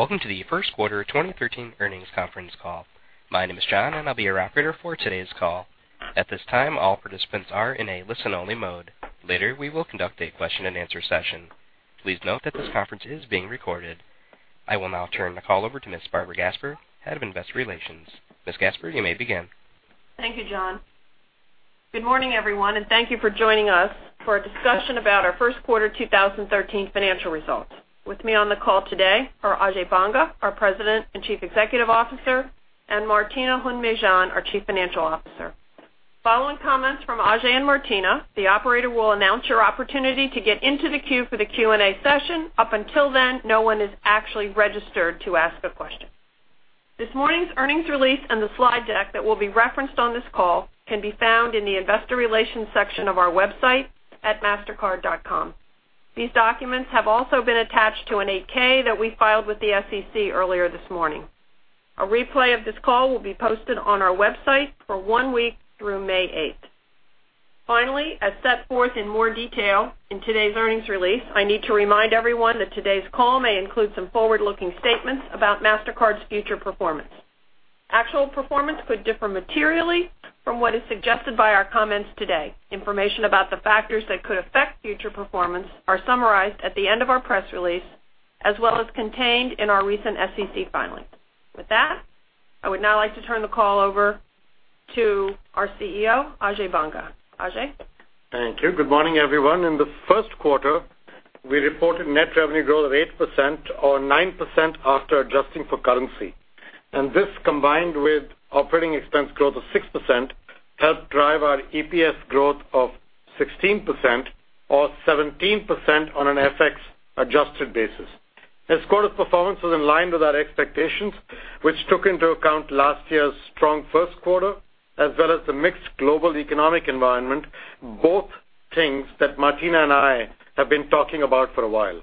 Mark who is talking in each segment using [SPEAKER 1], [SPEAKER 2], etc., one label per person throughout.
[SPEAKER 1] Welcome to the first quarter 2013 earnings conference call. My name is John, and I'll be your operator for today's call. At this time, all participants are in a listen-only mode. Later, we will conduct a question-and-answer session. Please note that this conference is being recorded. I will now turn the call over to Ms. Barbara Gasper, Head of Investor Relations. Ms. Gasper, you may begin.
[SPEAKER 2] Thank you, John. Good morning, everyone, thank you for joining us for a discussion about our first quarter 2013 financial results. With me on the call today are Ajay Banga, our President and Chief Executive Officer, and Martina Hund-Mejean, our Chief Financial Officer. Following comments from Ajay and Martina, the operator will announce your opportunity to get into the queue for the Q&A session. Up until then, no one is actually registered to ask a question. This morning's earnings release and the slide deck that will be referenced on this call can be found in the Investor Relations section of our website at mastercard.com. These documents have also been attached to an 8-K that we filed with the SEC earlier this morning. A replay of this call will be posted on our website for one week through May 8th. As set forth in more detail in today's earnings release, I need to remind everyone that today's call may include some forward-looking statements about Mastercard's future performance. Actual performance could differ materially from what is suggested by our comments today. Information about the factors that could affect future performance are summarized at the end of our press release, as well as contained in our recent SEC filings. With that, I would now like to turn the call over to our CEO, Ajay Banga. Ajay?
[SPEAKER 3] Thank you. Good morning, everyone. In the first quarter, we reported net revenue growth of 8% or 9% after adjusting for currency. This, combined with operating expense growth of 6%, helped drive our EPS growth of 16% or 17% on an FX adjusted basis. This quarter's performance was in line with our expectations, which took into account last year's strong first quarter, as well as the mixed global economic environment, both things that Martina and I have been talking about for a while.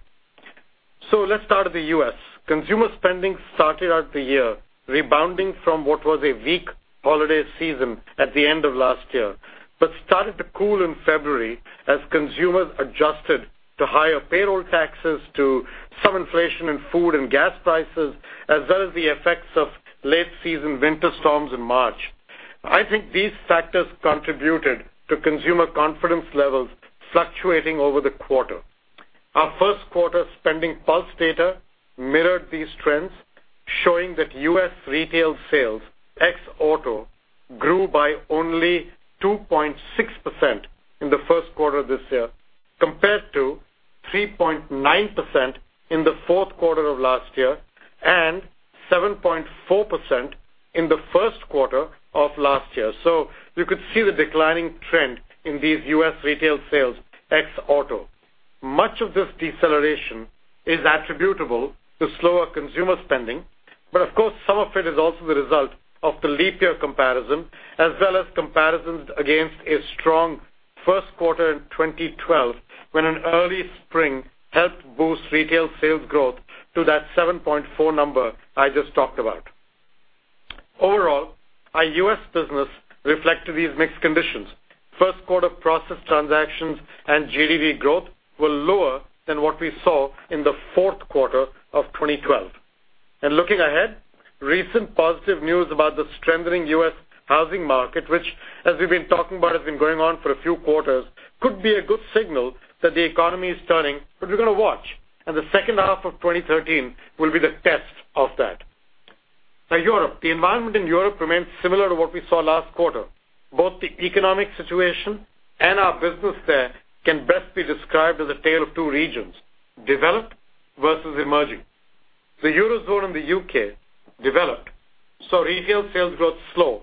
[SPEAKER 3] Let's start with the U.S. Consumer spending started out the year rebounding from what was a weak holiday season at the end of last year, but started to cool in February as consumers adjusted to higher payroll taxes, to some inflation in food and gas prices, as well as the effects of late-season winter storms in March. I think these factors contributed to consumer confidence levels fluctuating over the quarter. Our first quarter SpendingPulse data mirrored these trends, showing that U.S. retail sales ex auto grew by only 2.6% in the first quarter of this year, compared to 3.9% in the fourth quarter of last year and 7.4% in the first quarter of last year. You could see the declining trend in these U.S. retail sales ex auto. Much of this deceleration is attributable to slower consumer spending, but of course, some of it is also the result of the leap-year comparison as well as comparisons against a strong first quarter in 2012, when an early spring helped boost retail sales growth to that 7.4 number I just talked about. Overall, our U.S. business reflected these mixed conditions. First quarter processed transactions and GDV growth were lower than what we saw in the fourth quarter of 2012. Looking ahead, recent positive news about the strengthening U.S. housing market, which as we've been talking about, has been going on for a few quarters, could be a good signal that the economy is turning. We're going to watch, and the second half of 2013 will be the test of that. Now, Europe. The environment in Europe remains similar to what we saw last quarter. Both the economic situation and our business there can best be described as a tale of two regions, developed versus emerging. The Eurozone and the U.K. developed, retail sales growth slowed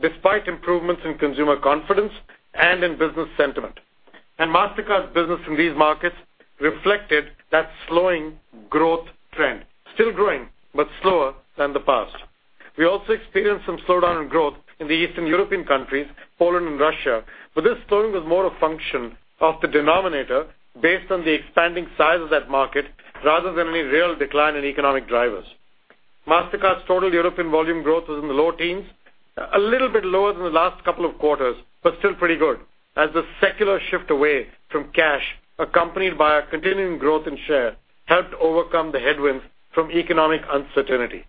[SPEAKER 3] despite improvements in consumer confidence and in business sentiment. Mastercard's business in these markets reflected that slowing growth trend. Still growing, but slower than the past. We also experienced some slowdown in growth in the Eastern European countries, Poland and Russia, but this slowing was more a function of the denominator based on the expanding size of that market rather than any real decline in economic drivers. Mastercard's total European volume growth was in the low teens, a little bit lower than the last couple of quarters, but still pretty good as the secular shift away from cash, accompanied by a continuing growth in share, helped overcome the headwinds from economic uncertainty.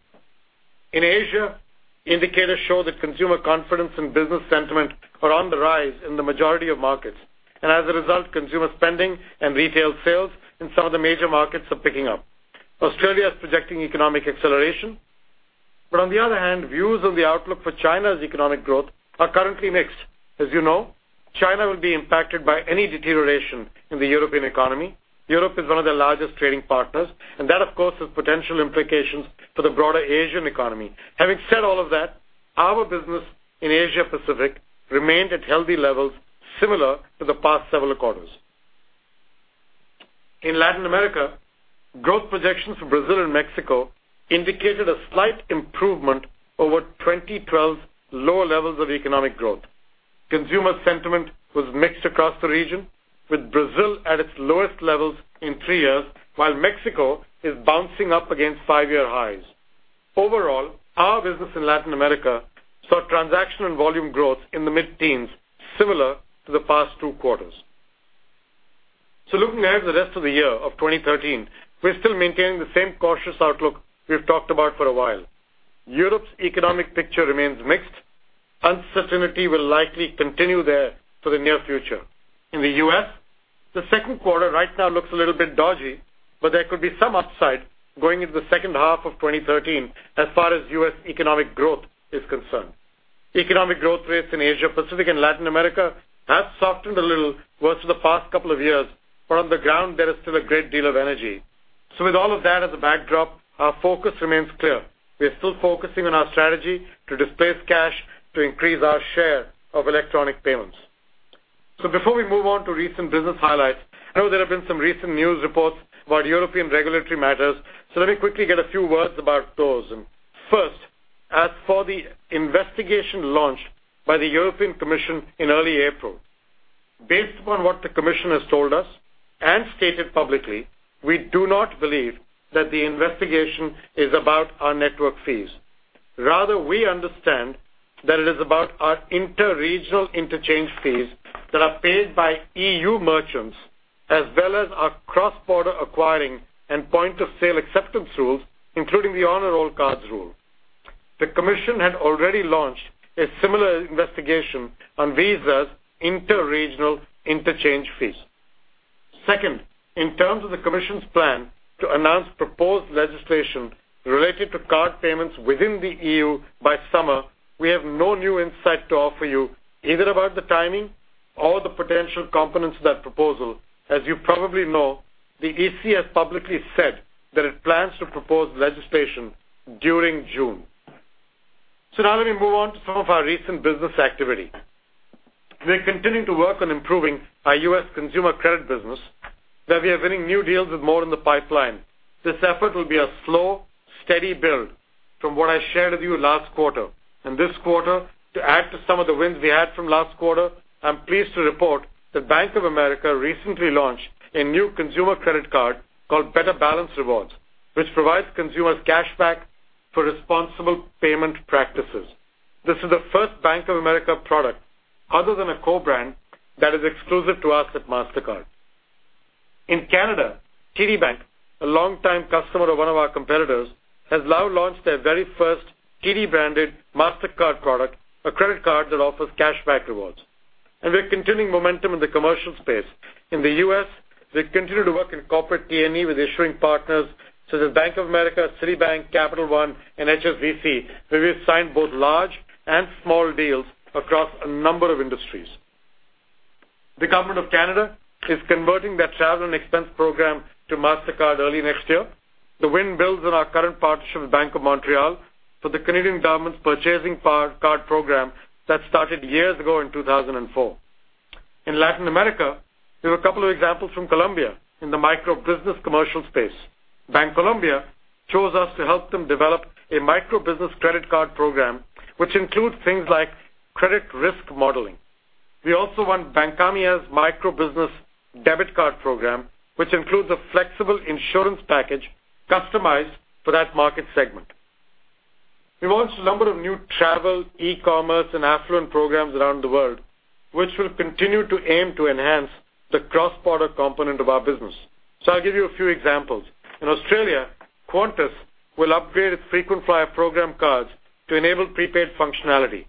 [SPEAKER 3] In Asia, indicators show that consumer confidence and business sentiment are on the rise in the majority of markets. As a result, consumer spending and retail sales in some of the major markets are picking up. Australia is projecting economic acceleration. On the other hand, views on the outlook for China's economic growth are currently mixed. As you know, China will be impacted by any deterioration in the European economy. Europe is one of their largest trading partners, that, of course, has potential implications for the broader Asian economy. Having said all of that, our business in Asia Pacific remained at healthy levels similar to the past several quarters. In Latin America, growth projections for Brazil and Mexico indicated a slight improvement over 2012's low levels of economic growth. Consumer sentiment was mixed across the region, with Brazil at its lowest levels in three years, while Mexico is bouncing up against five-year highs. Overall, our business in Latin America saw transaction and volume growth in the mid-teens, similar to the past two quarters. Looking ahead to the rest of the year of 2013, we're still maintaining the same cautious outlook we've talked about for a while. Europe's economic picture remains mixed. Uncertainty will likely continue there for the near future. In the U.S., the second quarter right now looks a little bit dodgy, but there could be some upside going into the second half of 2013 as far as U.S. economic growth is concerned. Economic growth rates in Asia, Pacific and Latin America have softened a little versus the past couple of years, but on the ground there is still a great deal of energy. With all of that as a backdrop, our focus remains clear. We are still focusing on our strategy to displace cash to increase our share of electronic payments. Before we move on to recent business highlights, I know there have been some recent news reports about European regulatory matters. Let me quickly get a few words about those. First, as for the investigation launched by the European Commission in early April, based upon what the Commission has told us and stated publicly, we do not believe that the investigation is about our network fees. Rather, we understand that it is about our inter-regional interchange fees that are paid by EU merchants, as well as our cross-border acquiring and point-of-sale acceptance rules, including the Honor All Cards rule. The Commission had already launched a similar investigation on Visa's inter-regional interchange fees. Second, in terms of the Commission's plan to announce proposed legislation related to card payments within the EU by summer, we have no new insight to offer you either about the timing or the potential components of that proposal. As you probably know, the EC has publicly said that it plans to propose legislation during June. Now let me move on to some of our recent business activity. We're continuing to work on improving our U.S. consumer credit business, that we are winning new deals with more in the pipeline. This effort will be a slow, steady build from what I shared with you last quarter. This quarter, to add to some of the wins we had from last quarter, I'm pleased to report that Bank of America recently launched a new consumer credit card called Better Balance Rewards, which provides consumers cashback for responsible payment practices. This is the first Bank of America product other than a co-brand that is exclusive to us at Mastercard. In Canada, TD Bank, a longtime customer of one of our competitors, has now launched their very first TD-branded Mastercard product, a credit card that offers cashback rewards. We're continuing momentum in the commercial space. In the U.S., we've continued to work in corporate T&E with issuing partners such as Bank of America, Citibank, Capital One and HSBC, where we have signed both large and small deals across a number of industries. The government of Canada is converting their travel and expense program to Mastercard early next year. The win builds on our current partnership with Bank of Montreal for the Canadian government's purchasing card program that started years ago in 2004. In Latin America, there were a couple of examples from Colombia in the micro-business commercial space. Bancolombia chose us to help them develop a micro-business credit card program, which includes things like credit risk modeling. We also won Bancamía's micro-business debit card program, which includes a flexible insurance package customized for that market segment. We've launched a number of new travel, e-commerce, and affluent programs around the world, which will continue to aim to enhance the cross-border component of our business. I'll give you a few examples. In Australia, Qantas will upgrade its frequent flyer program cards to enable prepaid functionality.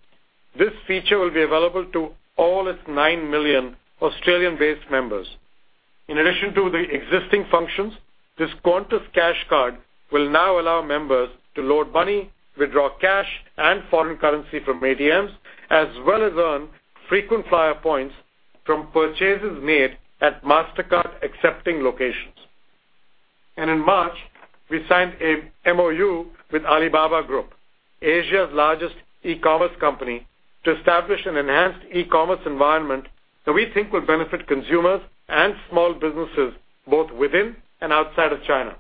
[SPEAKER 3] This feature will be available to all its nine million Australian-based members. In addition to the existing functions, this Qantas Cash card will now allow members to load money, withdraw cash and foreign currency from ATMs, as well as earn frequent flyer points from purchases made at Mastercard-accepting locations. In March, we signed a MOU with Alibaba Group, Asia's largest e-commerce company, to establish an enhanced e-commerce environment that we think will benefit consumers and small businesses both within and outside of China.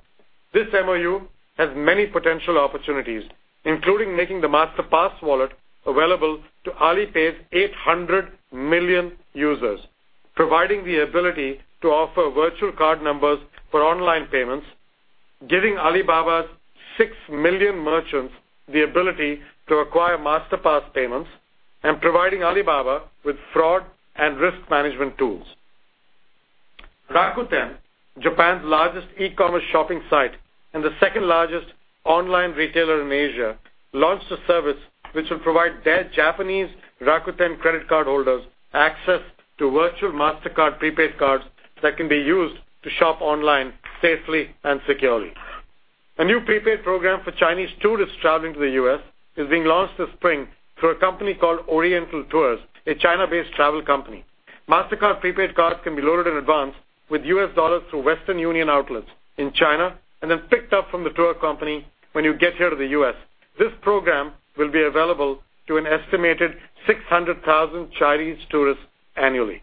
[SPEAKER 3] This MOU has many potential opportunities, including making the Masterpass wallet available to Alipay's 800 million users, providing the ability to offer virtual card numbers for online payments, giving Alibaba's six million merchants the ability to acquire Masterpass payments, and providing Alibaba with fraud and risk management tools. Rakuten, Japan's largest e-commerce shopping site and the second-largest online retailer in Asia, launched a service which will provide their Japanese Rakuten credit card holders access to virtual Mastercard prepaid cards that can be used to shop online safely and securely. A new prepaid program for Chinese tourists traveling to the U.S. is being launched this spring through a company called Oriental Tours, a China-based travel company. Mastercard prepaid cards can be loaded in advance with U.S. dollars through Western Union outlets in China and then picked up from the tour company when you get here to the U.S. This program will be available to an estimated 600,000 Chinese tourists annually.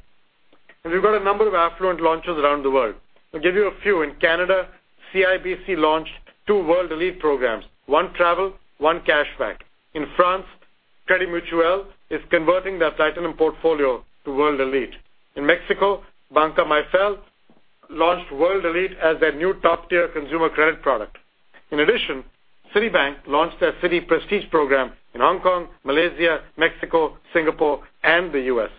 [SPEAKER 3] We've got a number of affluent launches around the world. I'll give you a few. In Canada, CIBC launched two World Elite programs, one travel, one cashback. In France, Crédit Mutuel is converting their titanium portfolio to World Elite. In Mexico, Banca Afirme launched World Elite as their new top-tier consumer credit product. In addition, Citibank launched their Citi Prestige program in Hong Kong, Malaysia, Mexico, Singapore, and the U.S.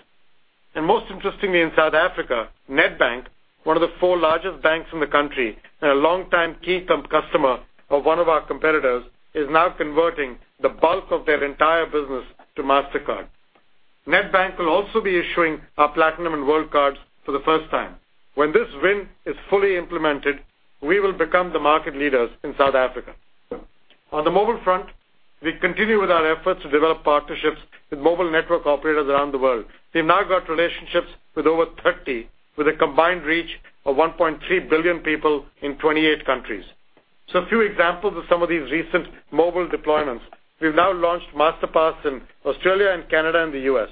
[SPEAKER 3] Most interestingly, in South Africa, Nedbank, one of the four largest banks in the country and a longtime key customer of one of our competitors, is now converting the bulk of their entire business to Mastercard. Nedbank will also be issuing our Platinum and World cards for the first time. When this win is fully implemented, we will become the market leaders in South Africa. On the mobile front, we continue with our efforts to develop partnerships with mobile network operators around the world. We've now got relationships with over 30, with a combined reach of 1.3 billion people in 28 countries. A few examples of some of these recent mobile deployments. We've now launched Masterpass in Australia and Canada and the U.S.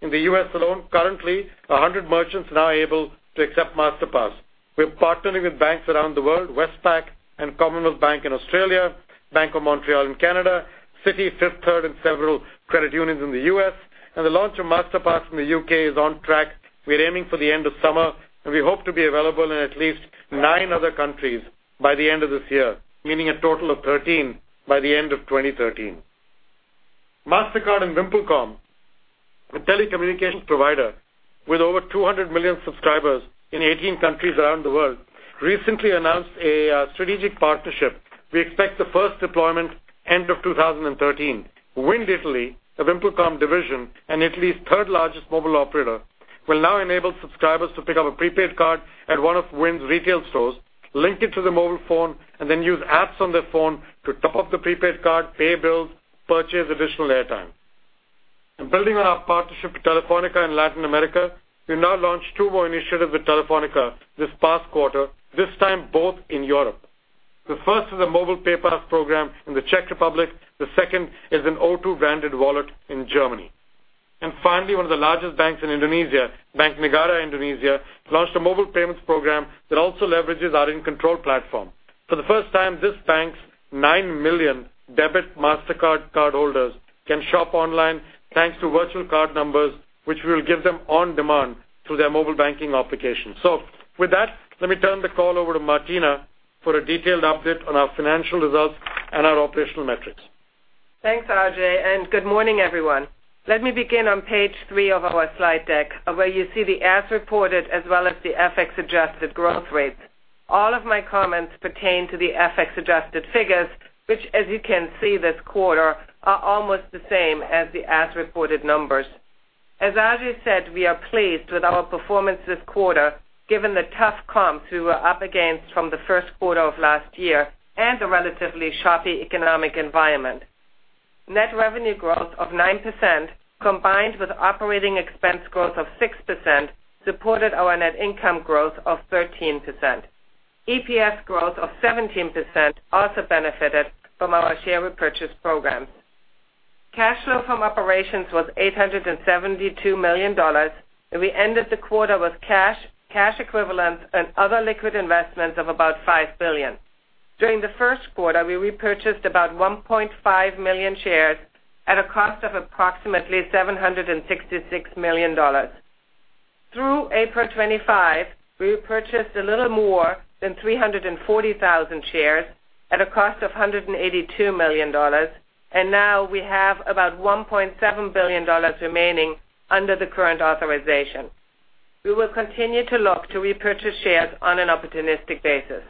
[SPEAKER 3] In the U.S. alone, currently, 100 merchants are now able to accept Masterpass. We're partnering with banks around the world, Westpac and Commonwealth Bank in Australia, Bank of Montreal in Canada, Citi, Fifth Third, and several credit unions in the U.S. The launch of Masterpass in the U.K. is on track. We're aiming for the end of summer, and we hope to be available in at least nine other countries by the end of this year, meaning a total of 13 by the end of 2013. Mastercard and VimpelCom, a telecommunications provider with over 200 million subscribers in 18 countries around the world, recently announced a strategic partnership. We expect the first deployment end of 2013. Wind Italy, a VimpelCom division, and Italy's third-largest mobile operator, will now enable subscribers to pick up a prepaid card at one of Wind's retail stores, link it to their mobile phone, and then use apps on their phone to top up the prepaid card, pay bills, purchase additional airtime. In building our partnership with Telefónica in Latin America, we now launched two more initiatives with Telefónica this past quarter, this time both in Europe. The first is a mobile PayPass program in the Czech Republic. The second is an O2-branded wallet in Germany. Finally, one of the largest banks in Indonesia, Bank Negara Indonesia, launched a mobile payments program that also leverages our In Control platform. For the first time, this bank's 9 million debit Mastercard cardholders can shop online thanks to virtual card numbers, which we'll give them on-demand through their mobile banking application. Let me turn the call over to Martina for a detailed update on our financial results and our operational metrics.
[SPEAKER 4] Thanks, Ajay, good morning, everyone. Let me begin on page three of our slide deck, where you see the as-reported as well as the FX-adjusted growth rates. All of my comments pertain to the FX-adjusted figures, which, as you can see this quarter, are almost the same as the as-reported numbers. As Ajay said, we are pleased with our performance this quarter, given the tough comps we were up against from the first quarter of last year and the relatively choppy economic environment. Net revenue growth of 9%, combined with operating expense growth of 6%, supported our net income growth of 13%. EPS growth of 17% also benefited from our share repurchase program. Cash flow from operations was $872 million, and we ended the quarter with cash equivalents and other liquid investments of about $5 billion. During the first quarter, we repurchased about 1.5 million shares at a cost of approximately $766 million. Through April 25, we repurchased a little more than 340,000 shares at a cost of $182 million. Now we have about $1.7 billion remaining under the current authorization. We will continue to look to repurchase shares on an opportunistic basis.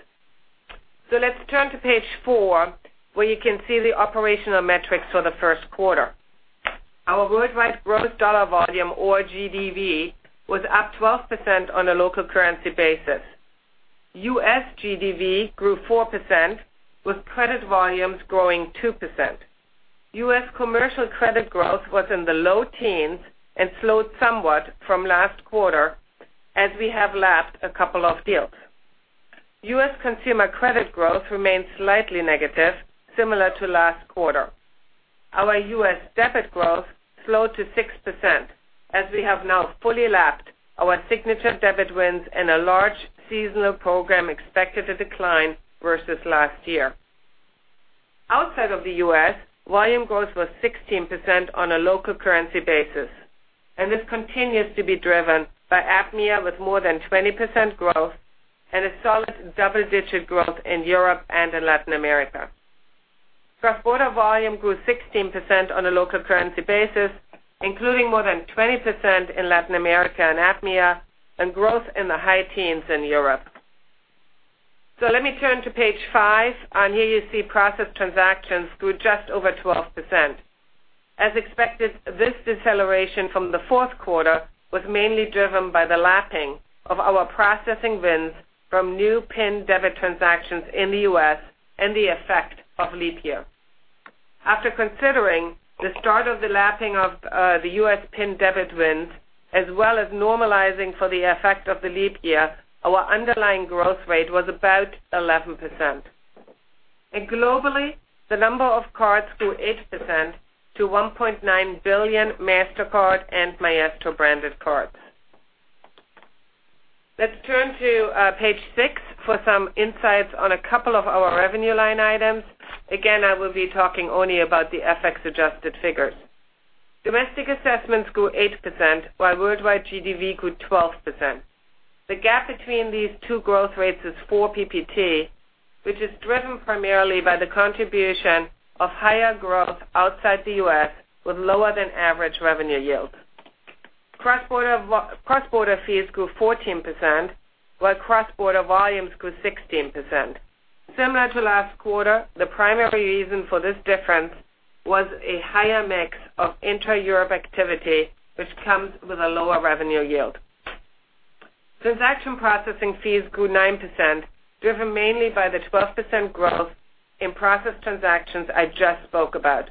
[SPEAKER 4] Let's turn to page four, where you can see the operational metrics for the first quarter. Our worldwide gross dollar volume or GDV was up 12% on a local currency basis. U.S. GDV grew 4%, with credit volumes growing 2%. U.S. commercial credit growth was in the low teens and slowed somewhat from last quarter as we have lapped a couple of deals. U.S. consumer credit growth remained slightly negative, similar to last quarter. Our U.S. debit growth slowed to 6% as we have now fully lapped our signature debit wins and a large seasonal program expected to decline versus last year. Outside of the U.S., volume growth was 16% on a local currency basis. This continues to be driven by APMEA with more than 20% growth and a solid double-digit growth in Europe and in Latin America. Cross-border volume grew 16% on a local currency basis, including more than 20% in Latin America and APMEA and growth in the high teens in Europe. Let me turn to page five. Here you see processed transactions grew just over 12%. As expected, this deceleration from the fourth quarter was mainly driven by the lapping of our processing wins from new PIN debit transactions in the U.S. and the effect of leap year. After considering the start of the lapping of the U.S. PIN debit wins, as well as normalizing for the effect of the leap year, our underlying growth rate was about 11%. Globally, the number of cards grew 8% to 1.9 billion Mastercard and Maestro-branded cards. Let's turn to page six for some insights on a couple of our revenue line items. Again, I will be talking only about the FX-adjusted figures. Domestic assessments grew 8%, while worldwide GDV grew 12%. The gap between these two growth rates is 4 PPT, which is driven primarily by the contribution of higher growth outside the U.S., with lower than average revenue yield. Cross-border fees grew 14%, while cross-border volumes grew 16%. Similar to last quarter, the primary reason for this difference was a higher mix of intra-Europe activity, which comes with a lower revenue yield. Transaction processing fees grew 9%, driven mainly by the 12% growth in processed transactions I just spoke about.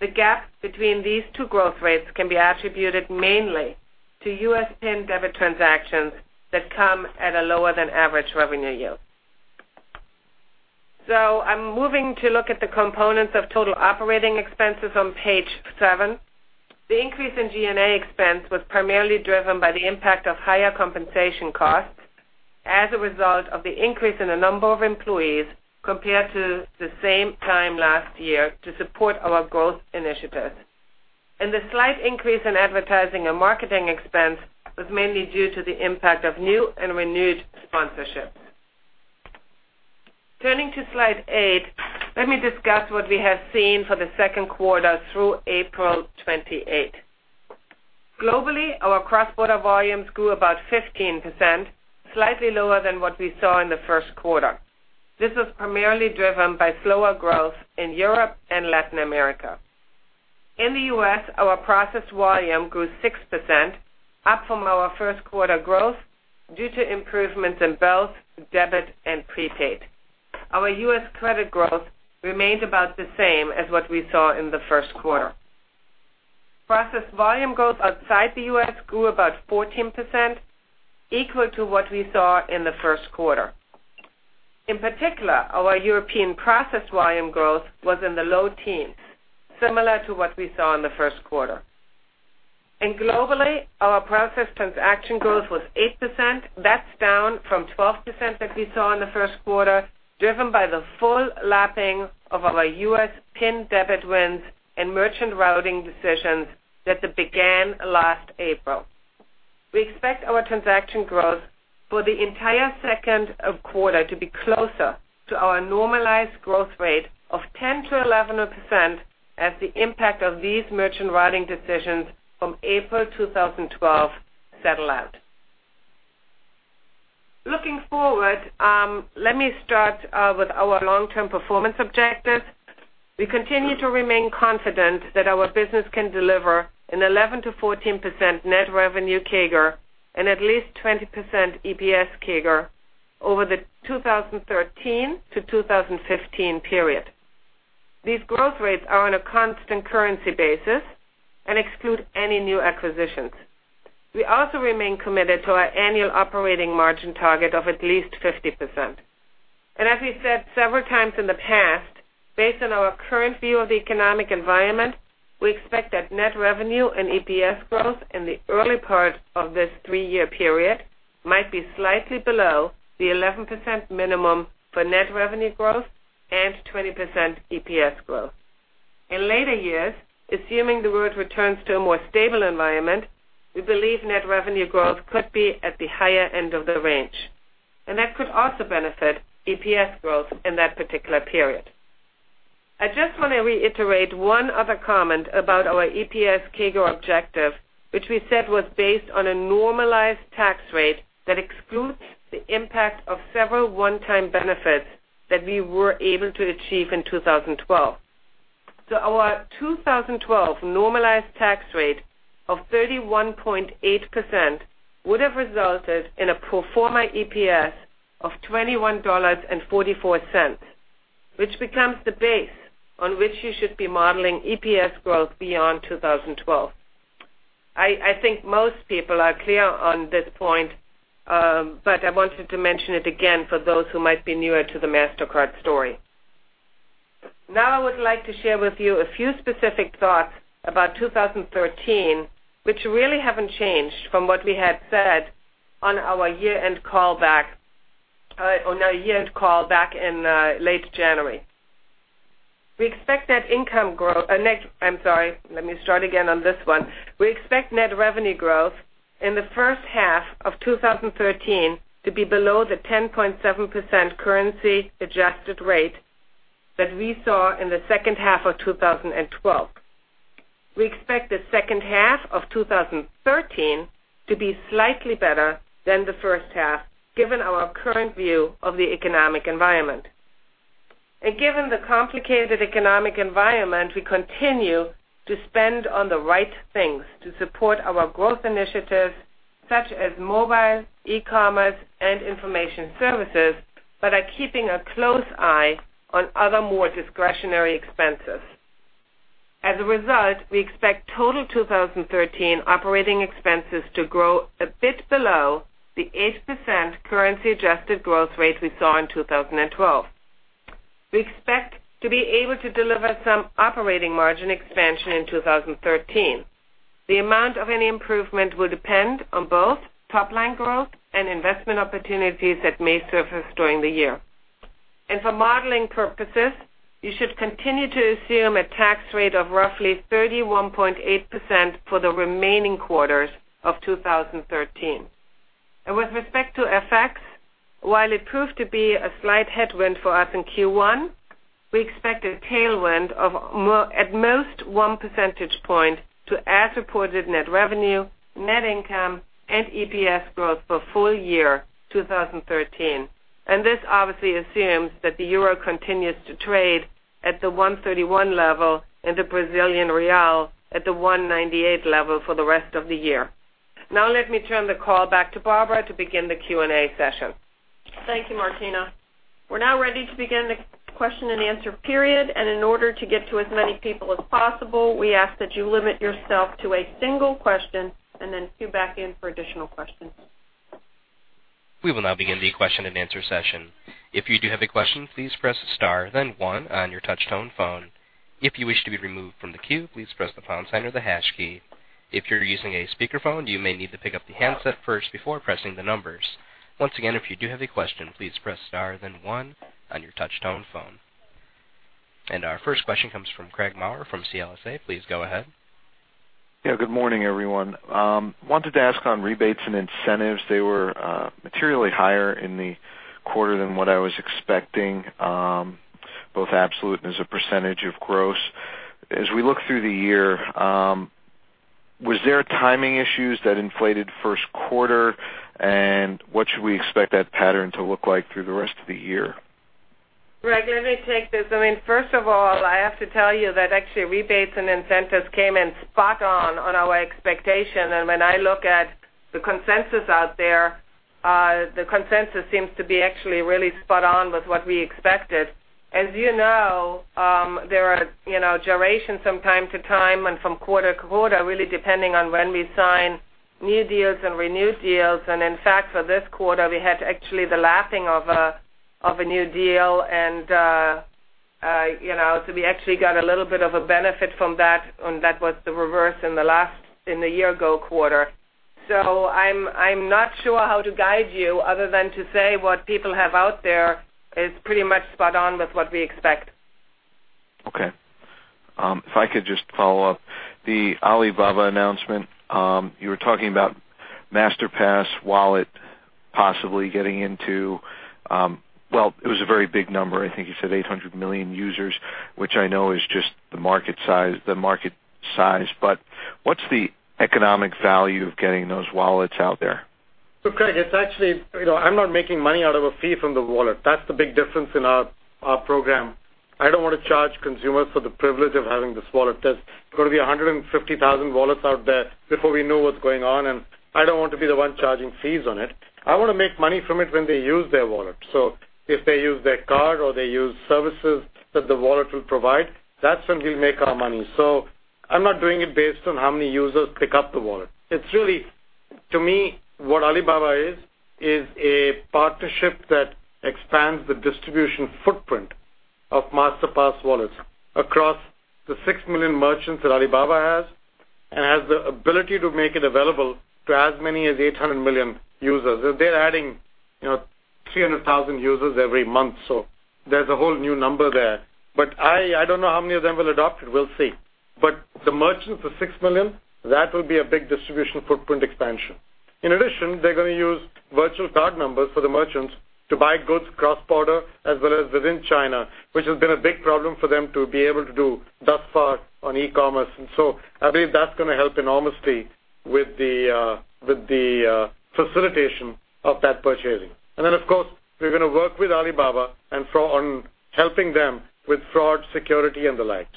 [SPEAKER 4] The gap between these two growth rates can be attributed mainly to U.S. PIN debit transactions that come at a lower than average revenue yield. I'm moving to look at the components of total operating expenses on page seven. The increase in G&A expense was primarily driven by the impact of higher compensation costs as a result of the increase in the number of employees compared to the same time last year to support our growth initiatives. The slight increase in advertising and marketing expense was mainly due to the impact of new and renewed sponsorships. Turning to slide eight, let me discuss what we have seen for the second quarter through April 28th. Globally, our cross-border volumes grew about 15%, slightly lower than what we saw in the first quarter. This was primarily driven by slower growth in Europe and Latin America. In the U.S., our processed volume grew 6%, up from our first quarter growth due to improvements in both debit and prepaid. Our U.S. credit growth remained about the same as what we saw in the first quarter. Processed volume growth outside the U.S. grew about 14%, equal to what we saw in the first quarter. In particular, our European processed volume growth was in the low teens, similar to what we saw in the first quarter. Globally, our processed transaction growth was 8%. That's down from 12% that we saw in the first quarter, driven by the full lapping of our U.S. PIN debit wins and merchant routing decisions that began last April. We expect our transaction growth for the entire second quarter to be closer to our normalized growth rate of 10%-11% as the impact of these merchant routing decisions from April 2012 settle out. Looking forward, let me start with our long-term performance objectives. We continue to remain confident that our business can deliver an 11%-14% net revenue CAGR and at least 20% EPS CAGR over the 2013 to 2015 period. These growth rates are on a constant currency basis and exclude any new acquisitions. We also remain committed to our annual operating margin target of at least 50%. As we said several times in the past, based on our current view of the economic environment, we expect that net revenue and EPS growth in the early part of this three-year period might be slightly below the 11% minimum for net revenue growth and 20% EPS growth. In later years, assuming the world returns to a more stable environment, we believe net revenue growth could be at the higher end of the range, and that could also benefit EPS growth in that particular period. I just want to reiterate one other comment about our EPS CAGR objective, which we said was based on a normalized tax rate that excludes the impact of several one-time benefits that we were able to achieve in 2012. Our 2012 normalized tax rate of 31.8% would have resulted in a pro forma EPS of $21.44, which becomes the base on which you should be modeling EPS growth beyond 2012. I think most people are clear on this point, but I wanted to mention it again for those who might be newer to the Mastercard story. I would like to share with you a few specific thoughts about 2013, which really haven't changed from what we had said on our year-end call back in late January. We expect net revenue growth in the first half of 2013 to be below the 10.7% currency-adjusted rate that we saw in the second half of 2012. We expect the second half of 2013 to be slightly better than the first half, given our current view of the economic environment. Given the complicated economic environment, we continue to spend on the right things to support our growth initiatives such as mobile, e-commerce, and information services, but are keeping a close eye on other more discretionary expenses. As a result, we expect total 2013 operating expenses to grow a bit below the 8% currency-adjusted growth rate we saw in 2012. We expect to be able to deliver some operating margin expansion in 2013. The amount of any improvement will depend on both top-line growth and investment opportunities that may surface during the year. For modeling purposes, you should continue to assume a tax rate of roughly 31.8% for the remaining quarters of 2013. With respect to FX, while it proved to be a slight headwind for us in Q1, we expect a tailwind of at most one percentage point to as-reported net revenue, net income and EPS growth for full year 2013. This obviously assumes that the euro continues to trade at the 131 level and the Brazilian real at the 198 level for the rest of the year. Let me turn the call back to Barbara to begin the Q&A session.
[SPEAKER 2] Thank you, Martina. We are now ready to begin the question and answer period, in order to get to as many people as possible, we ask that you limit yourself to a single question and then queue back in for additional questions.
[SPEAKER 1] We will begin the question and answer session. If you do have a question, please press star, then one on your touch-tone phone. If you wish to be removed from the queue, please press the pound sign or the hash key. If you are using a speakerphone, you may need to pick up the handset first before pressing the numbers. Once again, if you do have a question, please press star, then one on your touch-tone phone. Our first question comes from Craig Maurer from CLSA. Please go ahead.
[SPEAKER 5] Yeah, good morning, everyone. Wanted to ask on rebates and incentives. They were materially higher in the quarter than what I was expecting, both absolute and as a percentage of gross. As we look through the year, was there timing issues that inflated first quarter, what should we expect that pattern to look like through the rest of the year?
[SPEAKER 4] Craig, let me take this. First of all, I have to tell you that actually rebates and incentives came in spot on on our expectation. When I look at the consensus out there, the consensus seems to be actually really spot on with what we expected. As you know, there are durations from time to time and from quarter to quarter, really depending on when we sign new deals and renewed deals. In fact, for this quarter, we had actually the lapping of a new deal, so we actually got a little bit of a benefit from that, and that was the reverse in the year ago quarter. I'm not sure how to guide you other than to say what people have out there is pretty much spot on with what we expect.
[SPEAKER 5] Okay. If I could just follow up. The Alibaba announcement, you were talking about Masterpass wallet possibly getting into. Well, it was a very big number. I think you said 800 million users, which I know is just the market size. What's the economic value of getting those wallets out there?
[SPEAKER 3] Craig, I'm not making money out of a fee from the wallet. That's the big difference in our program. I don't want to charge consumers for the privilege of having this wallet. There's going to be 150,000 wallets out there before we know what's going on, and I don't want to be the one charging fees on it. I want to make money from it when they use their wallet. If they use their card or they use services that the wallet will provide, that's when we make our money. I'm not doing it based on how many users pick up the wallet. To me, what Alibaba is a partnership that expands the distribution footprint of Masterpass wallets across the 6 million merchants that Alibaba has and has the ability to make it available to as many as 800 million users. They're adding 300,000 users every month, there's a whole new number there. I don't know how many of them will adopt it. We'll see. The merchants of 6 million, that will be a big distribution footprint expansion. In addition, they're going to use virtual card numbers for the merchants to buy goods cross-border as well as within China, which has been a big problem for them to be able to do thus far on e-commerce. I believe that's going to help enormously with the facilitation of that purchasing. Of course, we're going to work with Alibaba on helping them with fraud, security and the like.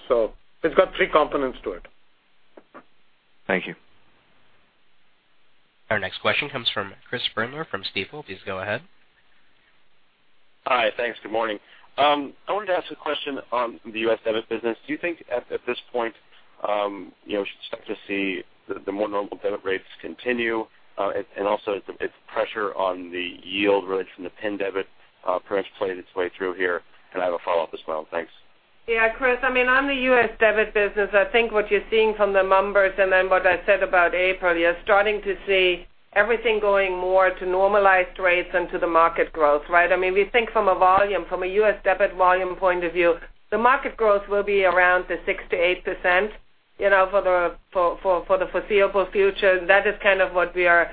[SPEAKER 3] It's got 3 components to it.
[SPEAKER 5] Thank you.
[SPEAKER 1] Our next question comes from Christopher Brendler from Stifel. Please go ahead.
[SPEAKER 6] Hi. Thanks. Good morning. I wanted to ask a question on the U.S. debit business. Do you think at this point, we should start to see the more normal debit rates continue? Also if pressure on the yield really from the pin debit perhaps played its way through here? I have a follow-up as well. Thanks.
[SPEAKER 4] Yeah, Chris, on the U.S. debit business, I think what you're seeing from the numbers and then what I said about April, you're starting to see everything going more to normalized rates and to the market growth, right? We think from a volume, from a U.S. debit volume point of view, the market growth will be around the 6%-8% for the foreseeable future. That is kind of what we are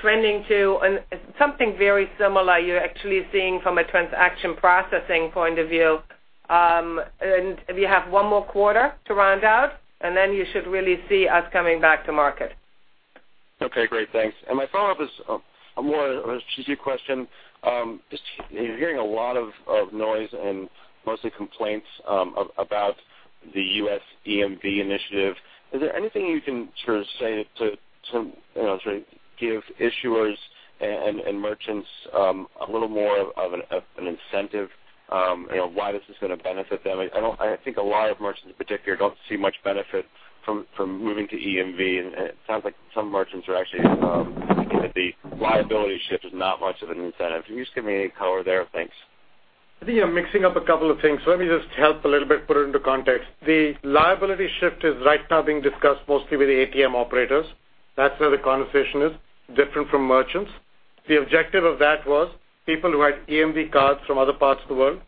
[SPEAKER 4] trending to, and something very similar you're actually seeing from a transaction processing point of view. We have one more quarter to round out, and then you should really see us coming back to market.
[SPEAKER 6] Okay, great. Thanks. My follow-up is a more strategic question. Just hearing a lot of noise and mostly complaints about the U.S. EMV initiative. Is there anything you can sort of say to give issuers and merchants a little more of an incentive why this is going to benefit them? I think a lot of merchants in particular don't see much benefit from moving to EMV, and it sounds like some merchants are actually thinking that the liability shift is not much of an incentive. Can you just give me any color there? Thanks.
[SPEAKER 3] I think you're mixing up a couple of things. Let me just help a little bit put it into context. The liability shift is right now being discussed mostly with the ATM operators. That's where the conversation is, different from merchants. The objective of that was people who had EMV cards from other parts of the world,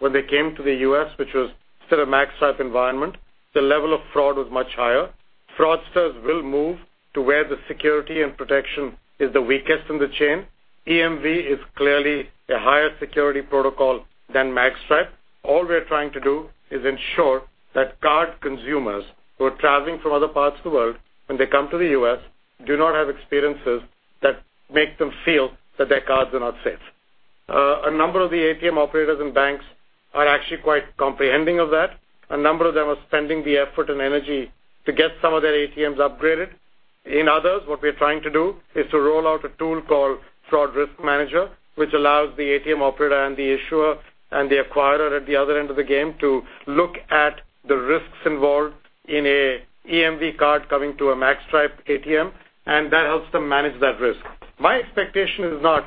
[SPEAKER 3] when they came to the U.S., which was still a magstripe environment, the level of fraud was much higher. Fraudsters will move to where the security and protection is the weakest in the chain. EMV is clearly a higher security protocol than magstripe. All we are trying to do is ensure that card consumers who are traveling from other parts of the world, when they come to the U.S., do not have experiences that make them feel that their cards are not safe. A number of the ATM operators and banks are actually quite comprehending of that. A number of them are spending the effort and energy to get some of their ATMs upgraded. In others, what we are trying to do is to roll out a tool called Fraud Risk Manager, which allows the ATM operator and the issuer and the acquirer at the other end of the game to look at the risks involved in an EMV card coming to a magstripe ATM, and that helps them manage that risk. My expectation is not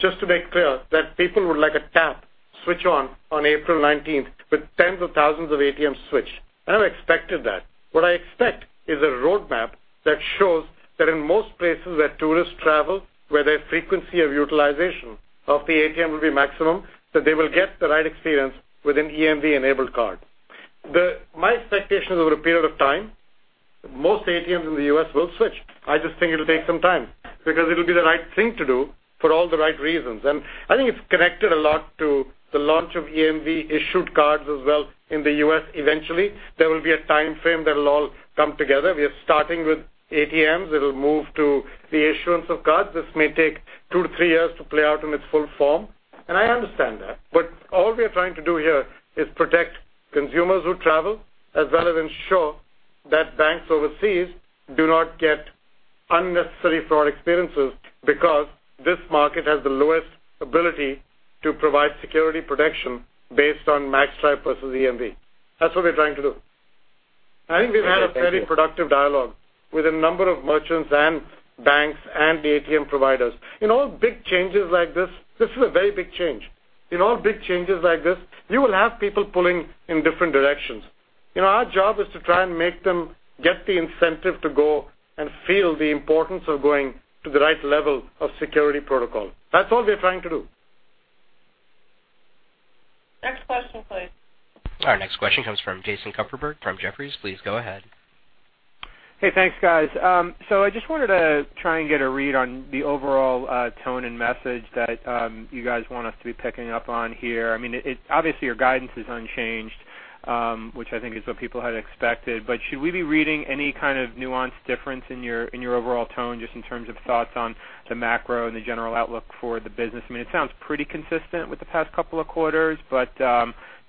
[SPEAKER 3] just to make clear that people would like a tap switch on April 19th, with tens of thousands of ATMs switched. I never expected that. What I expect is a roadmap that shows that in most places where tourists travel, where their frequency of utilization of the ATM will be maximum, that they will get the right experience with an EMV-enabled card. My expectation is over a period of time, most ATMs in the U.S. will switch. I just think it'll take some time, because it'll be the right thing to do for all the right reasons. I think it's connected a lot to the launch of EMV issued cards as well in the U.S. Eventually, there will be a timeframe that will all come together. We are starting with ATMs. It'll move to the issuance of cards. This may take two to three years to play out in its full form, and I understand that. All we are trying to do here is protect consumers who travel, as well as ensure that banks overseas do not get unnecessary fraud experiences because this market has the lowest ability to provide security protection based on magstripe versus EMV. That's what we're trying to do. I think we've had.
[SPEAKER 1] Okay. Thank you.
[SPEAKER 3] We've had a very productive dialogue with a number of merchants and banks and the ATM providers. In all big changes like this is a very big change. In all big changes like this, you will have people pulling in different directions. Our job is to try and make them get the incentive to go and feel the importance of going to the right level of security protocol. That's all we're trying to do.
[SPEAKER 1] Next question, please. Our next question comes from Jason Kupferberg from Jefferies. Please go ahead.
[SPEAKER 7] Hey, thanks guys. I just wanted to try and get a read on the overall tone and message that you guys want us to be picking up on here. Obviously, your guidance is unchanged, which I think is what people had expected, but should we be reading any kind of nuanced difference in your overall tone, just in terms of thoughts on the macro and the general outlook for the business? It sounds pretty consistent with the past couple of quarters, but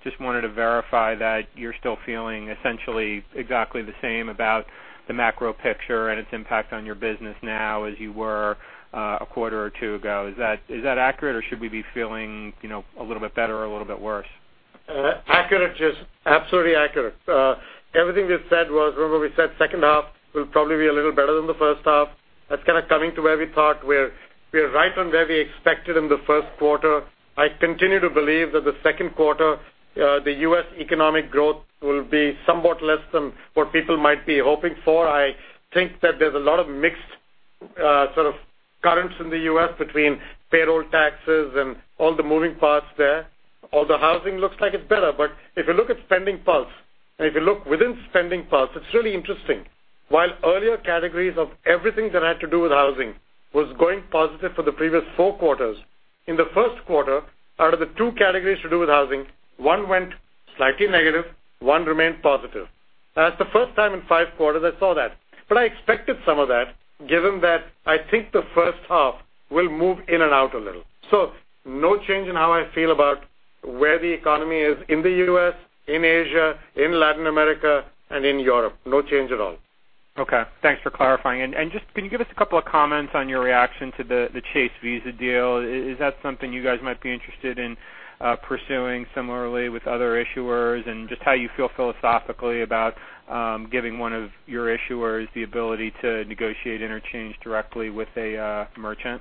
[SPEAKER 7] just wanted to verify that you're still feeling essentially exactly the same about the macro picture and its impact on your business now as you were a quarter or two ago. Is that accurate, or should we be feeling a little bit better or a little bit worse?
[SPEAKER 3] Accurate, Jason. Absolutely accurate. Everything we've said was, remember we said second half will probably be a little better than the first half. That's kind of coming to where we thought. We're right on where we expected in the first quarter. I continue to believe that the second quarter, the U.S. economic growth will be somewhat less than what people might be hoping for. I think that there's a lot of mixed sort of currents in the U.S. between payroll taxes and all the moving parts there. Although housing looks like it's better. If you look at SpendingPulse, and if you look within SpendingPulse, it's really interesting. While earlier categories of everything that had to do with housing was going positive for the previous four quarters, in the first quarter, out of the two categories to do with housing, one went slightly negative, one remained positive. That's the first time in five quarters I saw that. I expected some of that, given that I think the first half will move in and out a little. No change in how I feel about where the economy is in the U.S., in Asia, in Latin America, and in Europe. No change at all.
[SPEAKER 7] Okay. Thanks for clarifying. Just can you give us a couple of comments on your reaction to the Chase Visa deal? Is that something you guys might be interested in pursuing similarly with other issuers? Just how you feel philosophically about giving one of your issuers the ability to negotiate interchange directly with a merchant?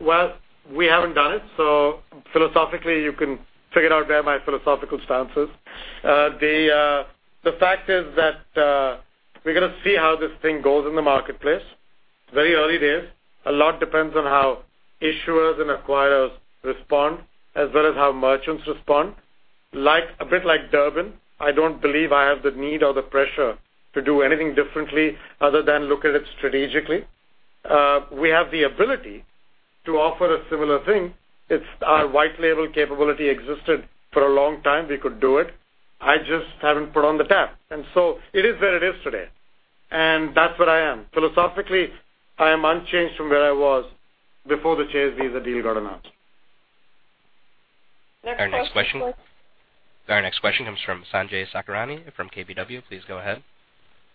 [SPEAKER 3] We haven't done it, philosophically, you can figure out there my philosophical stances. The fact is that we're going to see how this thing goes in the marketplace. Very early days. A lot depends on how issuers and acquirers respond, as well as how merchants respond. A bit like Durbin, I don't believe I have the need or the pressure to do anything differently other than look at it strategically. We have the ability to offer a similar thing. Our white label capability existed for a long time. We could do it. I just haven't put on the tap. It is where it is today, and that's where I am. Philosophically, I am unchanged from where I was before the Chase Visa deal got announced.
[SPEAKER 1] Next question, please. Our next question comes from Sanjay Sakhrani from KBW. Please go ahead.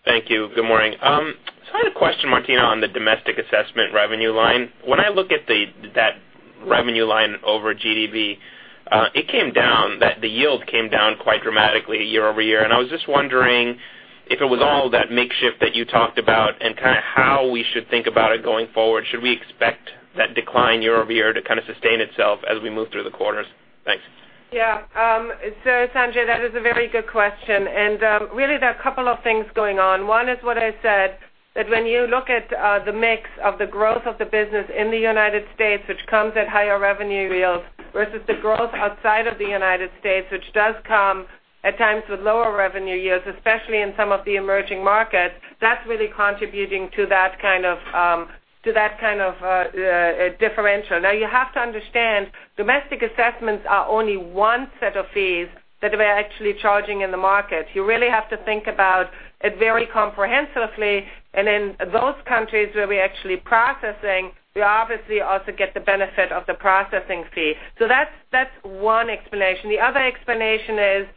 [SPEAKER 8] Thank you. Good morning. I had a question, Martina, on the domestic assessment revenue line. When I look at that revenue line over GDV, it came down, the yield came down quite dramatically year-over-year, and I was just wondering if it was all that mix shift that you talked about and kind of how we should think about it going forward. Should we expect that decline year-over-year to kind of sustain itself as we move through the quarters? Thanks.
[SPEAKER 4] Yeah. Sanjay, that is a very good question. Really there are a couple of things going on. One is what I said, that when you look at the mix of the growth of the business in the United States, which comes at higher revenue yields versus the growth outside of the United States, which does come at times with lower revenue yields, especially in some of the emerging markets, that's really contributing to that kind of differential. You have to understand, domestic assessments are only one set of fees that we're actually charging in the market. You really have to think about it very comprehensively. In those countries where we are actually processing, we obviously also get the benefit of the processing fee. That's one explanation. The other explanation is,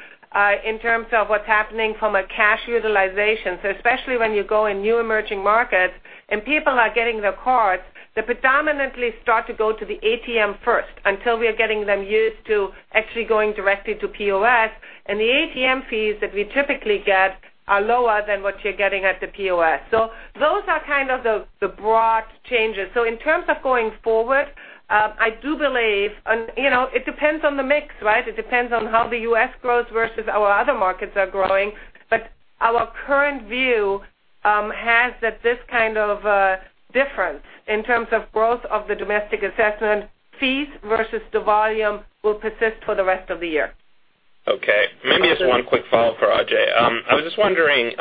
[SPEAKER 4] in terms of what's happening from a cash utilization. Especially when you go in new emerging markets and people are getting their cards, they predominantly start to go to the ATM first until we are getting them used to actually going directly to POS. The ATM fees that we typically get are lower than what you're getting at the POS. Those are kind of the broad changes. In terms of going forward, I do believe it depends on the mix, right? It depends on how the U.S. grows versus our other markets are growing. But our current view has that this kind of difference in terms of growth of the domestic assessment fees versus the volume will persist for the rest of the year.
[SPEAKER 8] Okay. Maybe just one quick follow-up for Ajay. I was just wondering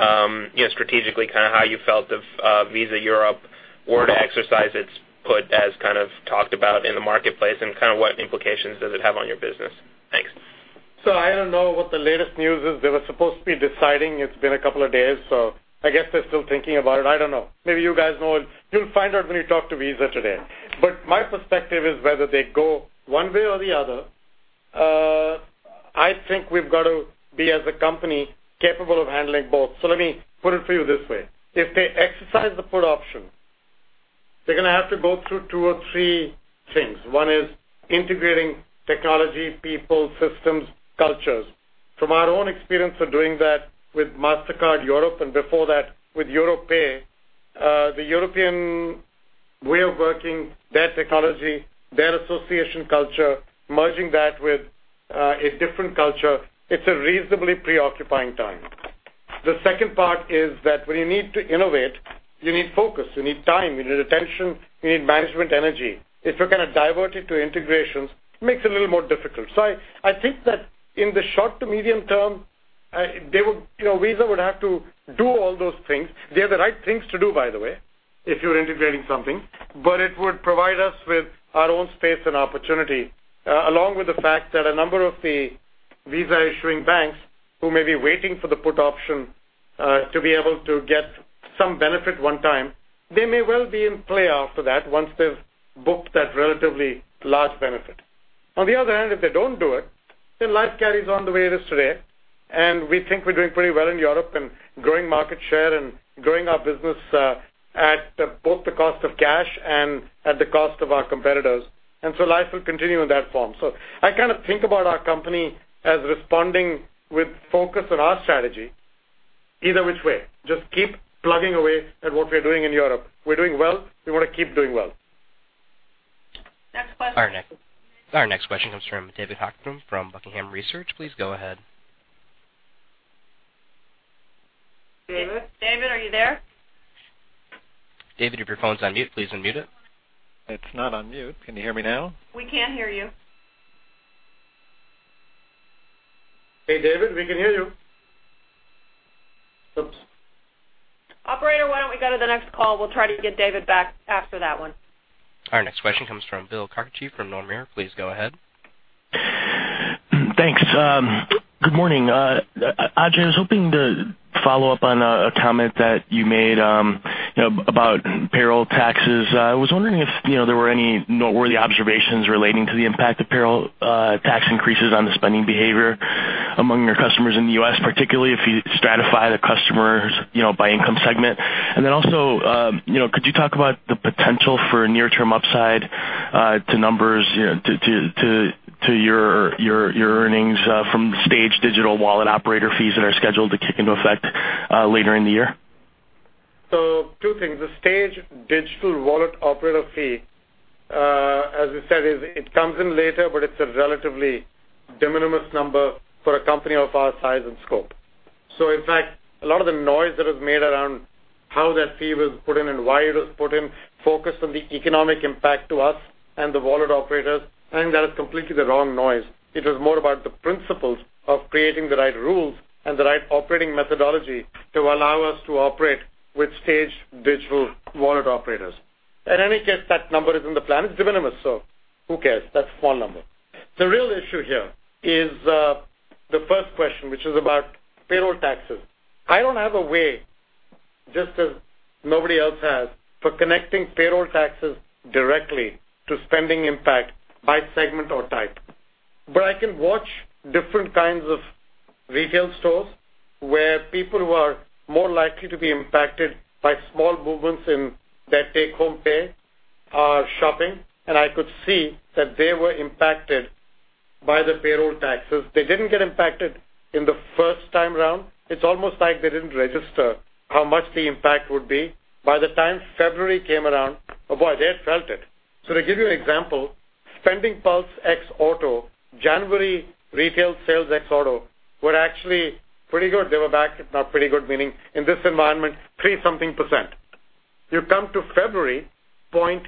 [SPEAKER 8] strategically how you felt if Visa Europe were to exercise its put as talked about in the marketplace, and what implications does it have on your business? Thanks.
[SPEAKER 3] I don't know what the latest news is. They were supposed to be deciding. It's been a couple of days, I guess they're still thinking about it. I don't know. Maybe you guys know. You'll find out when you talk to Visa today. My perspective is whether they go one way or the other, I think we've got to be, as a company, capable of handling both. Let me put it for you this way. If they exercise the put option, they're going to have to go through two or three things. One is integrating technology, people, systems, cultures. From our own experience of doing that with Mastercard Europe and before that with Europay, the European way of working, their technology, their association culture, merging that with a different culture, it's a reasonably preoccupying time. The second part is that when you need to innovate, you need focus, you need time, you need attention, you need management energy. If you're going to divert it to integrations, it makes it a little more difficult. I think that in the short to medium term, Visa would have to do all those things. They are the right things to do, by the way, if you're integrating something. It would provide us with our own space and opportunity, along with the fact that a number of the Visa-issuing banks who may be waiting for the put option to be able to get some benefit one time, they may well be in play after that once they've booked that relatively large benefit. On the other hand, if they don't do it, life carries on the way it is today. We think we're doing pretty well in Europe and growing market share and growing our business at both the cost of cash and at the cost of our competitors. Life will continue in that form. I kind of think about our company as responding with focus on our strategy either which way. Just keep plugging away at what we're doing in Europe. We're doing well. We want to keep doing well.
[SPEAKER 4] Next question.
[SPEAKER 1] Our next question comes from David Hochstim from Buckingham Research. Please go ahead.
[SPEAKER 4] David? Are you there?
[SPEAKER 1] David, if your phone's on mute, please unmute it.
[SPEAKER 9] It's not on mute. Can you hear me now?
[SPEAKER 4] We can hear you.
[SPEAKER 3] Hey, David, we can hear you. Oops.
[SPEAKER 4] Operator, why don't we go to the next call? We'll try to get David back after that one.
[SPEAKER 1] Our next question comes from Bill Carcache from Nomura. Please go ahead.
[SPEAKER 10] Thanks. Good morning. Ajay, I was hoping to follow up on a comment that you made about payroll taxes. I was wondering if there were any noteworthy observations relating to the impact of payroll tax increases on the spending behavior among your customers in the U.S., particularly if you stratify the customers by income segment. Also, could you talk about the potential for near-term upside to numbers to your earnings from the staged digital wallet operator fees that are scheduled to kick into effect later in the year?
[SPEAKER 3] Two things. The staged digital wallet operator fee, as I said, it comes in later, but it's a relatively de minimis number for a company of our size and scope. In fact, a lot of the noise that is made around how that fee was put in and why it was put in focused on the economic impact to us and the wallet operators. I think that is completely the wrong noise. It is more about the principles of creating the right rules and the right operating methodology to allow us to operate with staged digital wallet operators. In any case, that number is in the plan. It's de minimis, so who cares? That's a small number. The real issue here is the first question, which is about payroll taxes. I don't have a way, just as nobody else has, for connecting payroll taxes directly to spending impact by segment or type. I can watch different kinds of retail stores where people who are more likely to be impacted by small movements in their take-home pay are shopping, and I could see that they were impacted by the payroll taxes. They didn't get impacted in the first time around. It's almost like they didn't register how much the impact would be. By the time February came around, boy, they felt it. To give you an example, SpendingPulse ex auto January retail sales ex auto were actually pretty good. They were back, pretty good meaning in this environment, 3 something %. You come to February, 0.8%.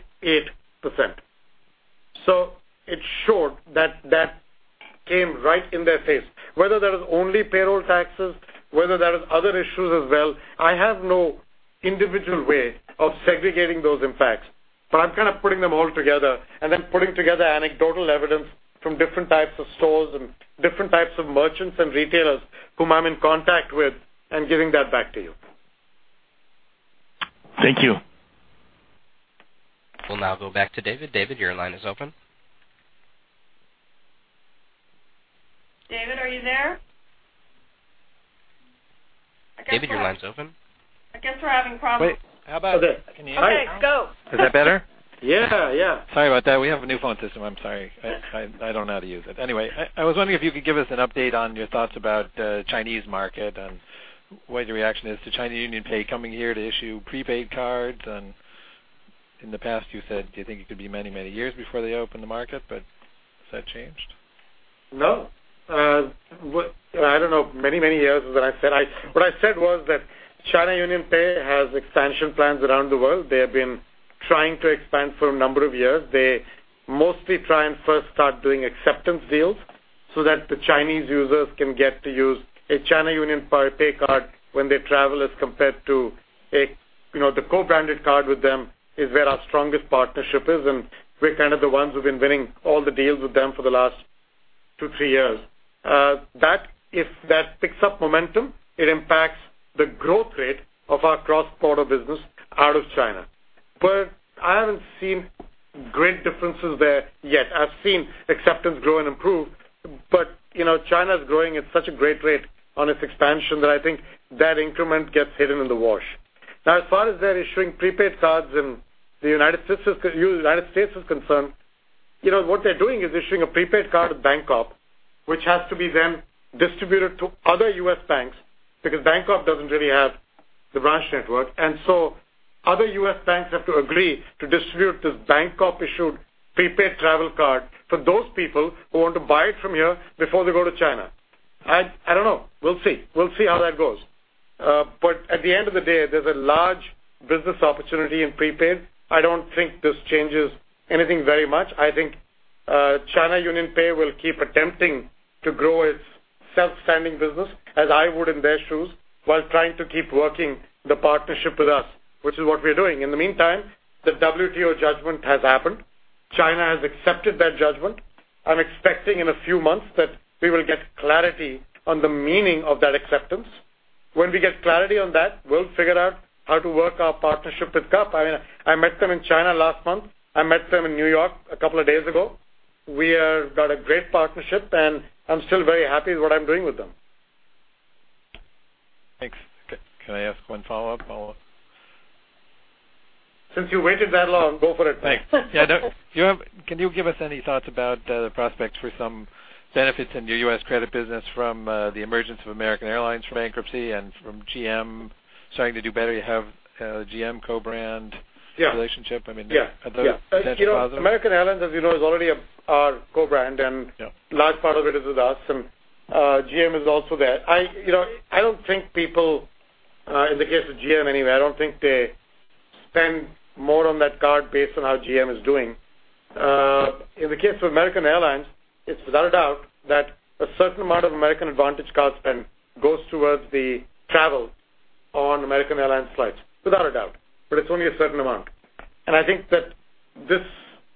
[SPEAKER 3] It showed that came right in their face. Whether that is only payroll taxes, whether that is other issues as well, I have no individual way of segregating those impacts. I'm putting them all together and then putting together anecdotal evidence from different types of stores and different types of merchants and retailers whom I'm in contact with and giving that back to you.
[SPEAKER 10] Thank you.
[SPEAKER 1] We'll now go back to David. David, your line is open. David, are you there? I guess not. David, your line's open. I guess we're having problems.
[SPEAKER 9] Wait, how about now?
[SPEAKER 10] Okay. Okay, go.
[SPEAKER 9] Is that better?
[SPEAKER 10] Yeah.
[SPEAKER 9] Sorry about that. We have a new phone system. I'm sorry. I don't know how to use it. Anyway, I was wondering if you could give us an update on your thoughts about the Chinese market and what your reaction is to China UnionPay coming here to issue prepaid cards. In the past, you said you think it could be many years before they open the market, but has that changed?
[SPEAKER 3] No. I don't know if many years is what I said. What I said was that China UnionPay has expansion plans around the world. They have been trying to expand for a number of years. They mostly try and first start doing acceptance deals so that the Chinese users can get to use a China UnionPay card when they travel as compared to the co-branded card with them is where our strongest partnership is, and we're kind of the ones who've been winning all the deals with them for the last two, three years. If that picks up momentum, it impacts the growth rate of our cross-border business out of China. I haven't seen great differences there yet. I've seen acceptance grow and improve, but China is growing at such a great rate on its expansion that I think that increment gets hidden in the wash. Now, as far as they're issuing prepaid cards in the United States is concerned, what they're doing is issuing a prepaid card with Bank of China, which has to be then distributed to other U.S. banks because Bank of China doesn't really have the branch network. Other U.S. banks have to agree to distribute this Bank of China issued prepaid travel card for those people who want to buy it from here before they go to China. I don't know. We'll see how that goes. At the end of the day, there's a large business opportunity in prepaid. I don't think this changes anything very much. I think China UnionPay will keep attempting to grow its self-standing business as I would in their shoes while trying to keep working the partnership with us, which is what we are doing. In the meantime, the WTO judgment has happened. China has accepted that judgment. I'm expecting in a few months that we will get clarity on the meaning of that acceptance. When we get clarity on that, we'll figure out how to work our partnership with CUP. I met them in China last month. I met them in N.Y. a couple of days ago. We have got a great partnership, and I'm still very happy with what I'm doing with them.
[SPEAKER 9] Thanks. Can I ask one follow-up?
[SPEAKER 3] Since you waited that long, go for it.
[SPEAKER 9] Thanks. Yeah. Can you give us any thoughts about the prospects for some benefits in the U.S. credit business from the emergence of American Airlines bankruptcy and from GM starting to do better? You have a GM co-brand relationship.
[SPEAKER 3] Yeah.
[SPEAKER 9] Are those potentially positive?
[SPEAKER 3] American Airlines, as you know, is already our co-brand, a large part of it is with us. GM is also there. I don't think people, in the case of GM anyway, I don't think they spend more on that card based on how GM is doing. In the case of American Airlines, it's without a doubt that a certain amount of AAdvantage card spend goes towards the travel on American Airlines flights. Without a doubt. It's only a certain amount. I think that this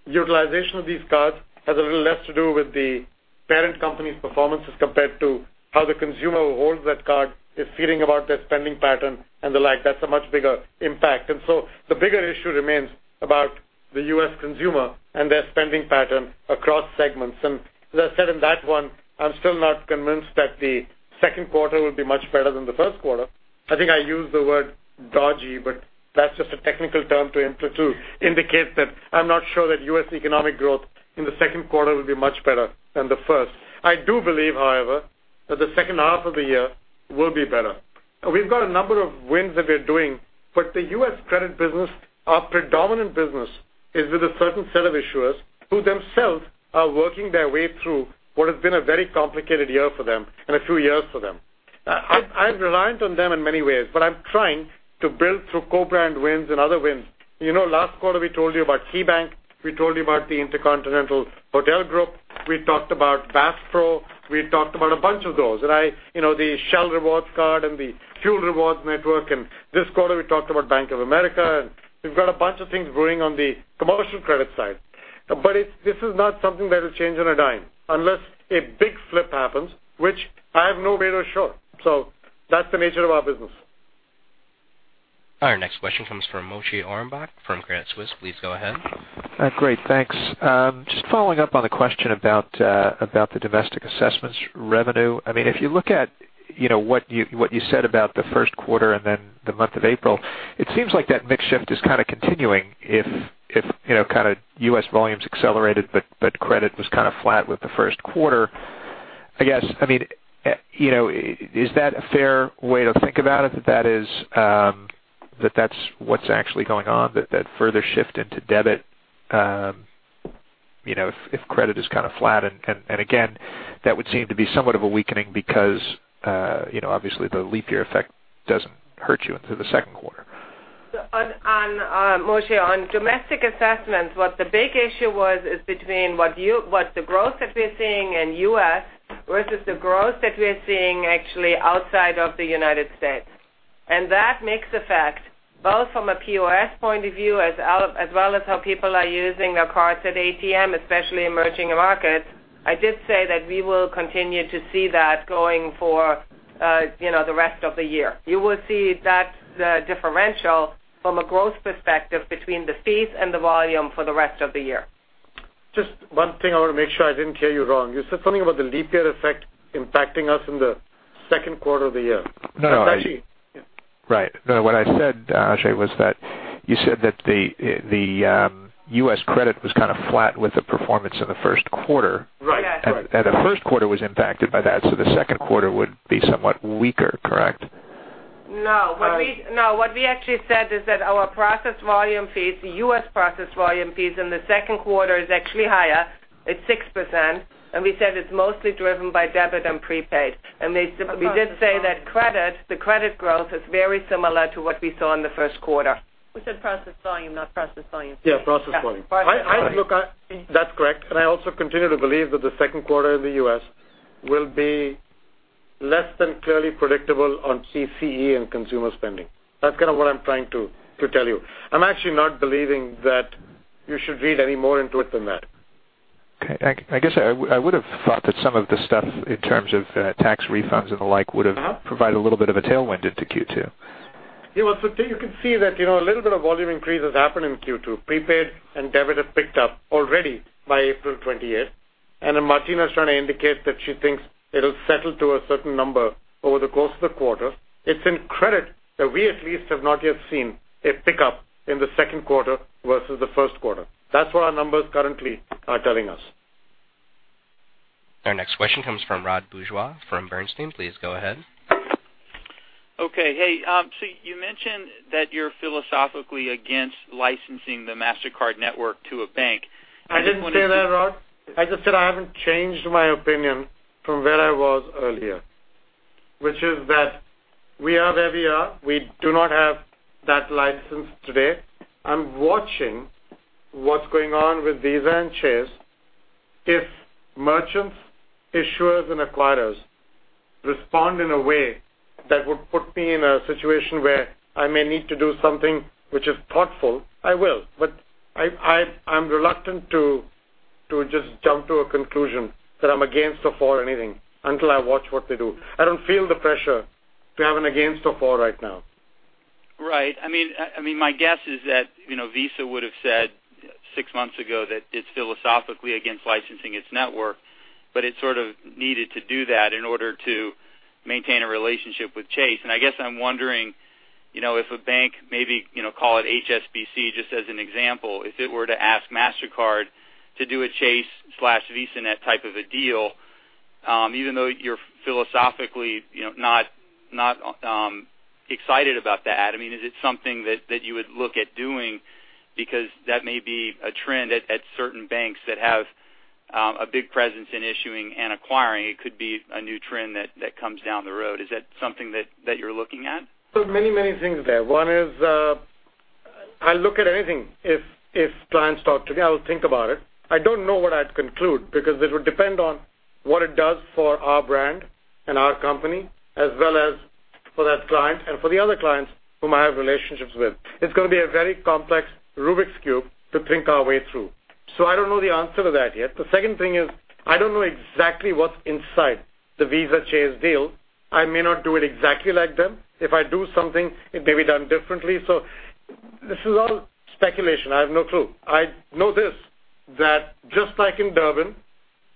[SPEAKER 3] utilization of these cards has a little less to do with the parent company's performance as compared to how the consumer who holds that card is feeling about their spending pattern and the like. That's a much bigger impact. The bigger issue remains about the U.S. consumer and their spending pattern across segments. As I said on that one, I'm still not convinced that the second quarter will be much better than the first quarter. I think I used the word dodgy, but that's just a technical term to indicate that I'm not sure that U.S. economic growth in the second quarter will be much better than the first. I do believe, however, that the second half of the year will be better. We've got a number of wins that we're doing, but the U.S. credit business, our predominant business is with a certain set of issuers who themselves are working their way through what has been a very complicated year for them and a few years for them. I am reliant on them in many ways, but I'm trying to build through co-brand wins and other wins. Last quarter, we told you about KeyBank, we told you about the InterContinental Hotels Group, we talked about Bass Pro, we talked about a bunch of those. The Shell Rewards card and the Fuel Rewards network, this quarter we talked about Bank of America, and we've got a bunch of things brewing on the commercial credit side. This is not something that will change on a dime unless a big flip happens, which I have no way to show. That's the nature of our business.
[SPEAKER 1] Our next question comes from Moshe Orenbuch from Credit Suisse. Please go ahead.
[SPEAKER 11] Great. Thanks. Just following up on the question about the domestic assessments revenue. If you look at what you said about the first quarter and then the month of April, it seems like that mix shift is continuing if U.S. volumes accelerated, but credit was flat with the first quarter. I guess, is that a fair way to think about it? That's what's actually going on, that further shift into debit, if credit is kind of flat. Again, that would seem to be somewhat of a weakening because obviously the leap year effect doesn't hurt you into the second quarter.
[SPEAKER 4] Moshe, on domestic assessments, what the big issue was is between what the growth that we're seeing in U.S. versus the growth that we're seeing actually outside of the U.S. That mix effect, both from a POS point of view as well as how people are using their cards at ATM, especially in emerging markets, I did say that we will continue to see that going for the rest of the year. You will see that differential from a growth perspective between the fees and the volume for the rest of the year.
[SPEAKER 3] Just one thing, I want to make sure I didn't hear you wrong. You said something about the leap year effect impacting us in the second quarter of the year.
[SPEAKER 11] No.
[SPEAKER 3] Actually.
[SPEAKER 11] What I said, Ajay, was that you said that the U.S. credit was kind of flat with the performance in the first quarter.
[SPEAKER 3] Right.
[SPEAKER 4] Yeah.
[SPEAKER 11] The first quarter was impacted by that, so the second quarter would be somewhat weaker, correct?
[SPEAKER 4] No, what we actually said is that our processed volume fees, the U.S. processed volume fees in the second quarter is actually higher. It's 6%, and we said it's mostly driven by debit and prepaid. We did say that the credit growth is very similar to what we saw in the first quarter.
[SPEAKER 2] We said processed volume, not processed volume.
[SPEAKER 3] Yeah, processed volume. Look, that's correct. I also continue to believe that the second quarter in the U.S. will be less than clearly predictable on CCE and consumer spending. That's kind of what I'm trying to tell you. I'm actually not believing that you should read any more into it than that.
[SPEAKER 11] Okay. I guess I would've thought that some of the stuff, in terms of tax refunds and the like, would've provided a little bit of a tailwind into Q2.
[SPEAKER 3] Well, you can see that a little bit of volume increase has happened in Q2. Prepaid and debit have picked up already by April 28th. Martina is trying to indicate that she thinks it'll settle to a certain number over the course of the quarter. It's in credit that we at least have not yet seen a pickup in the second quarter versus the first quarter. That's what our numbers currently are telling us.
[SPEAKER 1] Our next question comes from Rod Bourgeois from Bernstein. Please go ahead.
[SPEAKER 12] Hey, you mentioned that you're philosophically against licensing the Mastercard network to a bank. I just wanted to-
[SPEAKER 3] I didn't say that, Rod. I just said I haven't changed my opinion from where I was earlier. Which is that we are where we are. We do not have that license today. I'm watching what's going on with Visa and Chase. If merchants, issuers, and acquirers respond in a way that would put me in a situation where I may need to do something which is thoughtful, I will. I'm reluctant to just jump to a conclusion that I'm against or for anything until I watch what they do. I don't feel the pressure to have an against or for right now.
[SPEAKER 12] Right. My guess is that Visa would've said six months ago that it's philosophically against licensing its network, but it sort of needed to do that in order to maintain a relationship with Chase. I guess I'm wondering if a bank maybe, call it HSBC, just as an example, if it were to ask Mastercard to do a Chase/Visa net type of a deal, even though you're philosophically not excited about that, is it something that you would look at doing because that may be a trend at certain banks that have a big presence in issuing and acquiring. It could be a new trend that comes down the road. Is that something that you're looking at?
[SPEAKER 3] Many things there. One is, I'll look at anything if clients talk to me. I will think about it. I don't know what I'd conclude because it would depend on what it does for our brand and our company, as well as for that client and for the other clients whom I have relationships with. It's going to be a very complex Rubik's Cube to think our way through. I don't know the answer to that yet. The second thing is, I don't know exactly what's inside the Visa Chase deal. I may not do it exactly like them. If I do something, it may be done differently. This is all speculation. I have no clue. I know this, that just like in Durbin,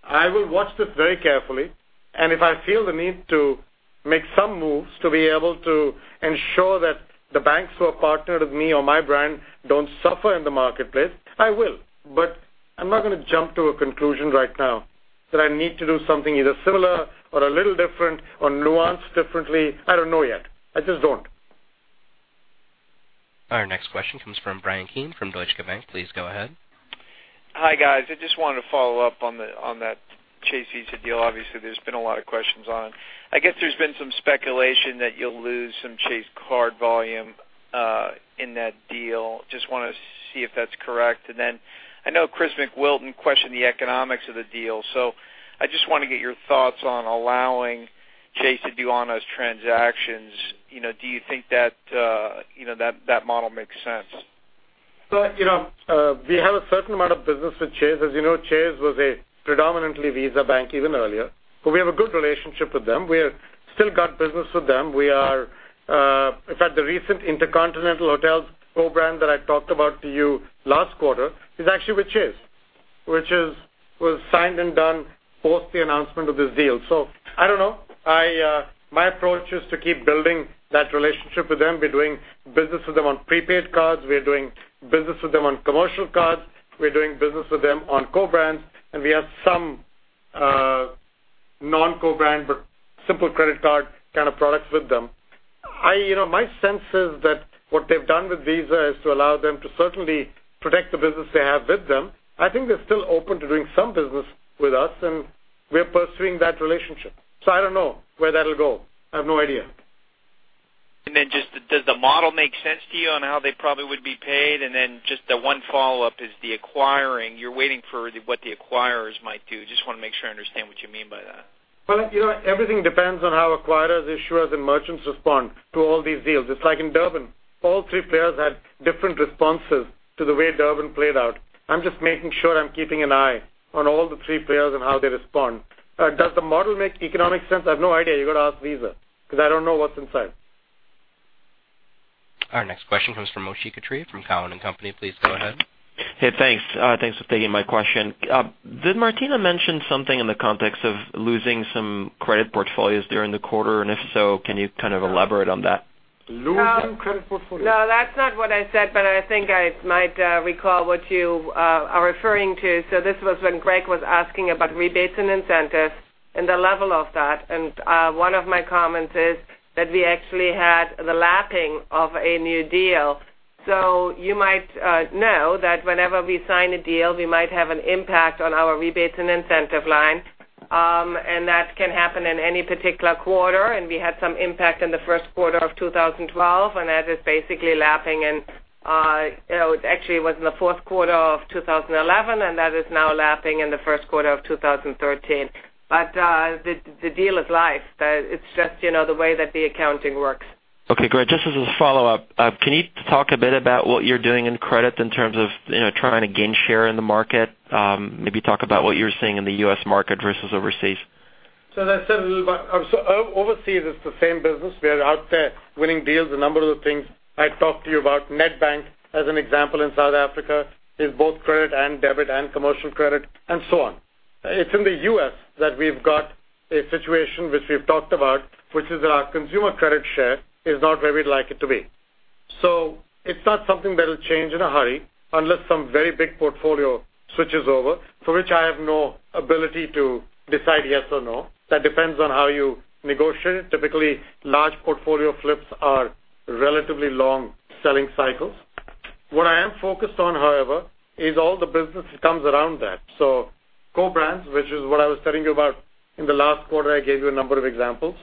[SPEAKER 3] I will watch this very carefully, if I feel the need to make some moves to be able to ensure that the banks who are partnered with me or my brand don't suffer in the marketplace, I will. I'm not going to jump to a conclusion right now that I need to do something either similar or a little different or nuanced differently. I don't know yet. I just don't.
[SPEAKER 1] Our next question comes from Bryan Keane from Deutsche Bank. Please go ahead.
[SPEAKER 13] I just wanted to follow up on that Chase Visa deal. Obviously, there's been a lot of questions on. I guess there's been some speculation that you'll lose some Chase card volume in that deal. Just want to see if that's correct. I know Chris McWilton questioned the economics of the deal, so I just want to get your thoughts on allowing Chase to do on-us transactions. Do you think that model makes sense?
[SPEAKER 3] We have a certain amount of business with Chase. As you know, Chase was a predominantly Visa bank even earlier, but we have a good relationship with them. We've still got business with them. In fact, the recent InterContinental Hotels program that I talked about to you last quarter is actually with Chase, which was signed and done post the announcement of this deal. I don't know. My approach is to keep building that relationship with them. We're doing business with them on prepaid cards. We're doing business with them on commercial cards. We're doing business with them on co-brands, and we have some non-co-brand but simple credit card kind of products with them. My sense is that what they've done with Visa is to allow them to certainly protect the business they have with them. I think they're still open to doing some business with us, and we're pursuing that relationship. I don't know where that'll go. I have no idea.
[SPEAKER 13] Does the model make sense to you on how they probably would be paid? Just the one follow-up is the acquiring. You're waiting for what the acquirers might do. Just want to make sure I understand what you mean by that.
[SPEAKER 3] Well, everything depends on how acquirers, issuers, and merchants respond to all these deals. It's like in Durbin, all three players had different responses to the way Durbin played out. I'm just making sure I'm keeping an eye on all the three players and how they respond. Does the model make economic sense? I have no idea. You got to ask Visa because I don't know what's inside.
[SPEAKER 1] Our next question comes from Moshe Katri from Cowen and Company. Please go ahead.
[SPEAKER 14] Hey, thanks. Thanks for taking my question. Did Martina mention something in the context of losing some credit portfolios during the quarter? If so, can you kind of elaborate on that?
[SPEAKER 3] Losing credit portfolios?
[SPEAKER 4] No, that's not what I said, but I think I might recall what you are referring to. This was when Craig was asking about rebates and incentives and the level of that, one of my comments is that we actually had the lapping of a new deal. You might know that whenever we sign a deal, we might have an impact on our rebates and incentive line. That can happen in any particular quarter. We had some impact in the first quarter of 2012, and that is basically lapping, and it actually was in the fourth quarter of 2011, and that is now lapping in the first quarter of 2013. The deal is live. It's just the way that the accounting works.
[SPEAKER 14] Okay, great. Just as a follow-up, can you talk a bit about what you're doing in credit in terms of trying to gain share in the market? Maybe talk about what you're seeing in the U.S. market versus overseas.
[SPEAKER 3] As I said a little, but overseas it's the same business. We are out there winning deals, a number of the things I talked to you about. Nedbank, as an example, in South Africa is both credit and debit and commercial credit and so on. It's in the U.S. that we've got a situation which we've talked about, which is our consumer credit share is not where we'd like it to be. It's not something that'll change in a hurry unless some very big portfolio switches over, for which I have no ability to decide yes or no. That depends on how you negotiate it. Typically, large portfolio flips are relatively long selling cycles. What I am focused on, however, is all the business that comes around that. Co-brands, which is what I was telling you about in the last quarter, I gave you a number of examples.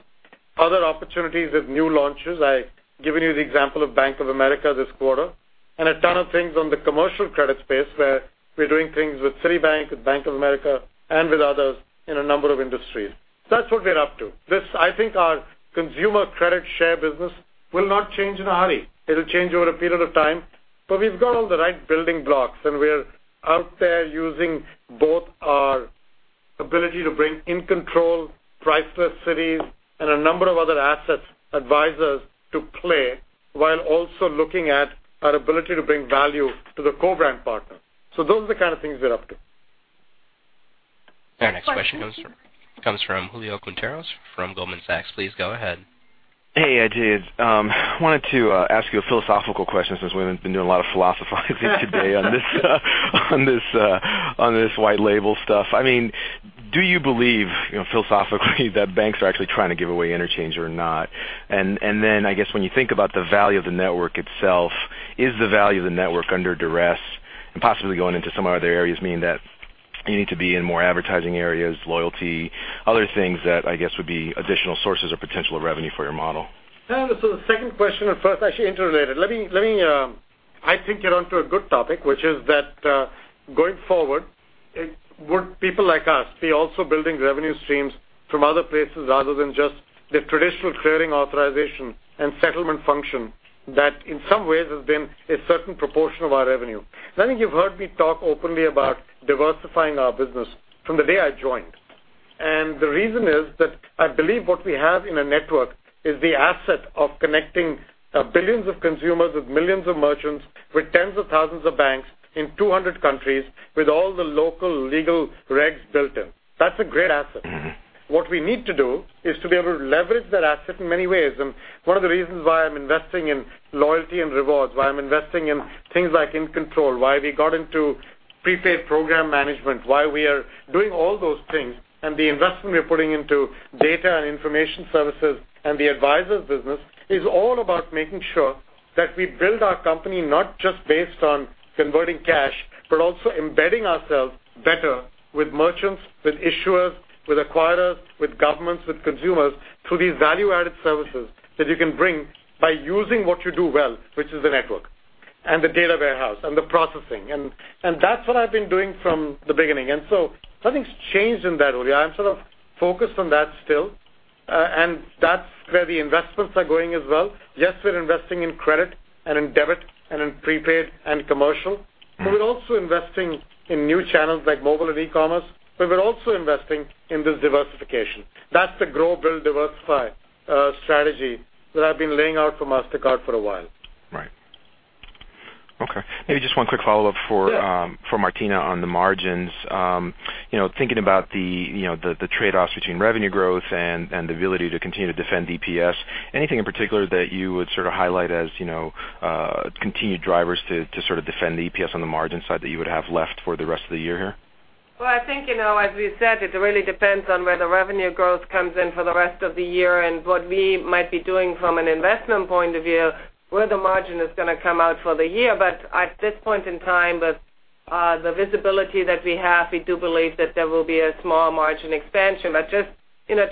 [SPEAKER 3] Other opportunities with new launches. I've given you the example of Bank of America this quarter, and a ton of things on the commercial credit space, where we're doing things with Citibank, with Bank of America, and with others in a number of industries. That's what we're up to. I think our consumer credit share business will not change in a hurry. It'll change over a period of time. We've got all the right building blocks, and we're out there using both our ability to bring In Control, Priceless Cities, and a number of other assets, advisors to play, while also looking at our ability to bring value to the co-brand partner. Those are the kind of things we're up to.
[SPEAKER 1] Our next question comes from Julio Quinteros from Goldman Sachs. Please go ahead.
[SPEAKER 15] Hey, Ajay. I wanted to ask you a philosophical question since we've been doing a lot of philosophizing today on this white label stuff. Do you believe philosophically that banks are actually trying to give away interchange or not? I guess when you think about the value of the network itself, is the value of the network under duress and possibly going into some other areas, meaning that you need to be in more advertising areas, loyalty, other things that I guess would be additional sources of potential revenue for your model?
[SPEAKER 3] The second question and first actually interrelated. I think you're onto a good topic, which is that, going forward, would people like us be also building revenue streams from other places rather than just the traditional clearing authorization and settlement function that in some ways has been a certain proportion of our revenue. I think you've heard me talk openly about diversifying our business from the day I joined. The reason is that I believe what we have in a network is the asset of connecting billions of consumers with millions of merchants, with tens of thousands of banks in 200 countries with all the local legal regs built in. That's a great asset. What we need to do is to be able to leverage that asset in many ways. One of the reasons why I'm investing in loyalty and rewards, why I'm investing in things like In Control, why we got into prepaid program management, why we are doing all those things, the investment we are putting into data and information services and the advisors business, is all about making sure that we build our company not just based on converting cash, but also embedding ourselves better with merchants, with issuers, with acquirers, with governments, with consumers through these value-added services that you can bring by using what you do well, which is the network and the data warehouse and the processing. That's what I've been doing from the beginning. Nothing's changed in that, Julio. I'm sort of focused on that still. That's where the investments are going as well. Yes, we're investing in credit and in debit and in prepaid and commercial, but we're also investing in new channels like mobile and e-commerce, but we're also investing in this diversification. That's the grow, build, diversify strategy that I've been laying out for Mastercard for a while.
[SPEAKER 15] Right. Okay. Maybe just one quick follow-up.
[SPEAKER 3] Sure
[SPEAKER 15] Martina on the margins. Thinking about the trade-offs between revenue growth and the ability to continue to defend EPS, anything in particular that you would highlight as continued drivers to defend EPS on the margin side that you would have left for the rest of the year here?
[SPEAKER 4] Well, I think, as we said, it really depends on where the revenue growth comes in for the rest of the year and what we might be doing from an investment point of view, where the margin is going to come out for the year. At this point in time, the visibility that we have, we do believe that there will be a small margin expansion. Just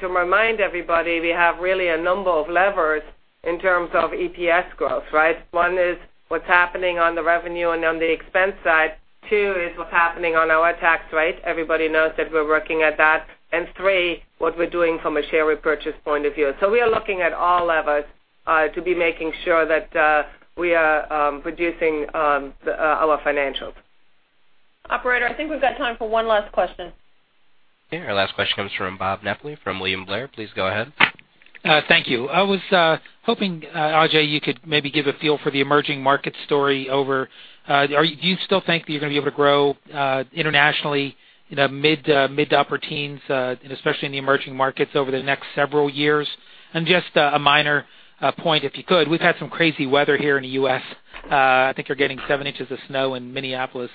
[SPEAKER 4] to remind everybody, we have really a number of levers in terms of EPS growth, right? One is what's happening on the revenue and on the expense side. Two is what's happening on our tax rate. Everybody knows that we're working at that. Three, what we're doing from a share repurchase point of view. So we are looking at all levers to be making sure that we are reducing our financials.
[SPEAKER 2] Operator, I think we've got time for one last question.
[SPEAKER 1] Okay, our last question comes from Bob Napoli from William Blair. Please go ahead.
[SPEAKER 16] Thank you. I was hoping, Ajay, you could maybe give a feel for the emerging market story. Do you still think that you're going to be able to grow internationally in the mid to upper teens, and especially in the emerging markets over the next several years? Just a minor point, if you could, we've had some crazy weather here in the U.S. I think you're getting seven inches of snow in Minneapolis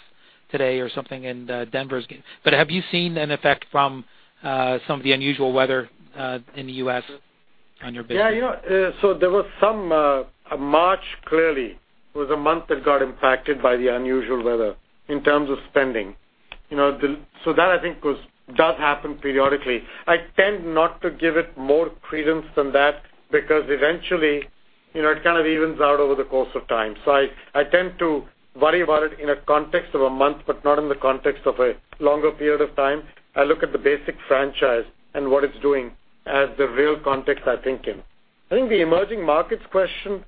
[SPEAKER 16] today or something, and Denver is getting. Have you seen an effect from some of the unusual weather in the U.S. on your business?
[SPEAKER 3] Yeah. There was some March clearly was a month that got impacted by the unusual weather in terms of spending. That I think does happen periodically. I tend not to give it more credence than that because eventually, it kind of evens out over the course of time. I tend to worry about it in a context of a month, not in the context of a longer period of time. I look at the basic franchise and what it's doing as the real context I think in. I think the emerging markets question,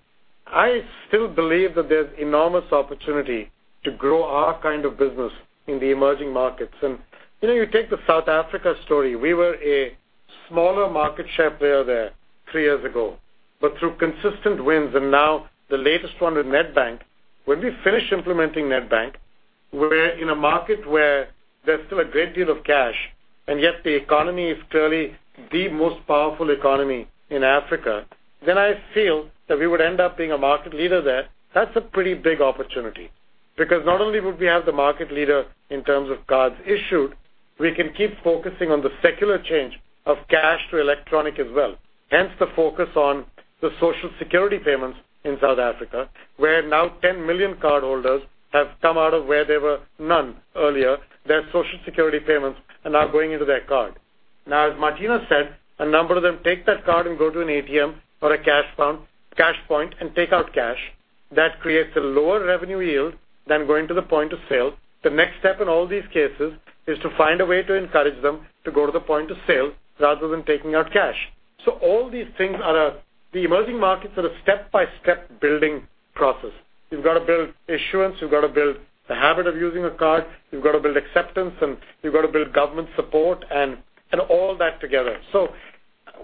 [SPEAKER 3] I still believe that there's enormous opportunity to grow our kind of business in the emerging markets. You take the South Africa story. We were a smaller market share player there three years ago. Through consistent wins, and now the latest one with Nedbank, when we finish implementing Nedbank, we're in a market where there's still a great deal of cash, and yet the economy is clearly the most powerful economy in Africa, then I feel that we would end up being a market leader there. That's a pretty big opportunity because not only would we have the market leader in terms of cards issued, we can keep focusing on the secular change of cash to electronic as well. Hence the focus on the Social Security payments in South Africa, where now 10 million cardholders have come out of where there were none earlier, their Social Security payments are now going into their card. As Martina said, a number of them take that card and go to an ATM or a cash point and take out cash. That creates a lower revenue yield than going to the point of sale. The next step in all these cases is to find a way to encourage them to go to the point of sale rather than taking out cash. All these things are the emerging markets are a step-by-step building process. You've got to build issuance, you've got to build the habit of using a card, you've got to build acceptance, and you've got to build government support, and all that together.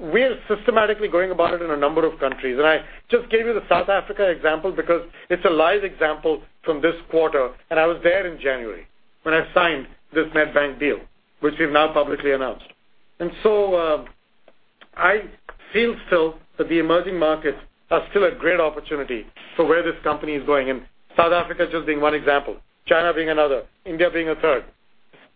[SPEAKER 3] We are systematically going about it in a number of countries. I just gave you the South Africa example because it's a live example from this quarter, and I was there in January when I signed this Nedbank deal, which we've now publicly announced. I feel still that the emerging markets are still a great opportunity for where this company is going in. South Africa just being one example, China being another, India being a third.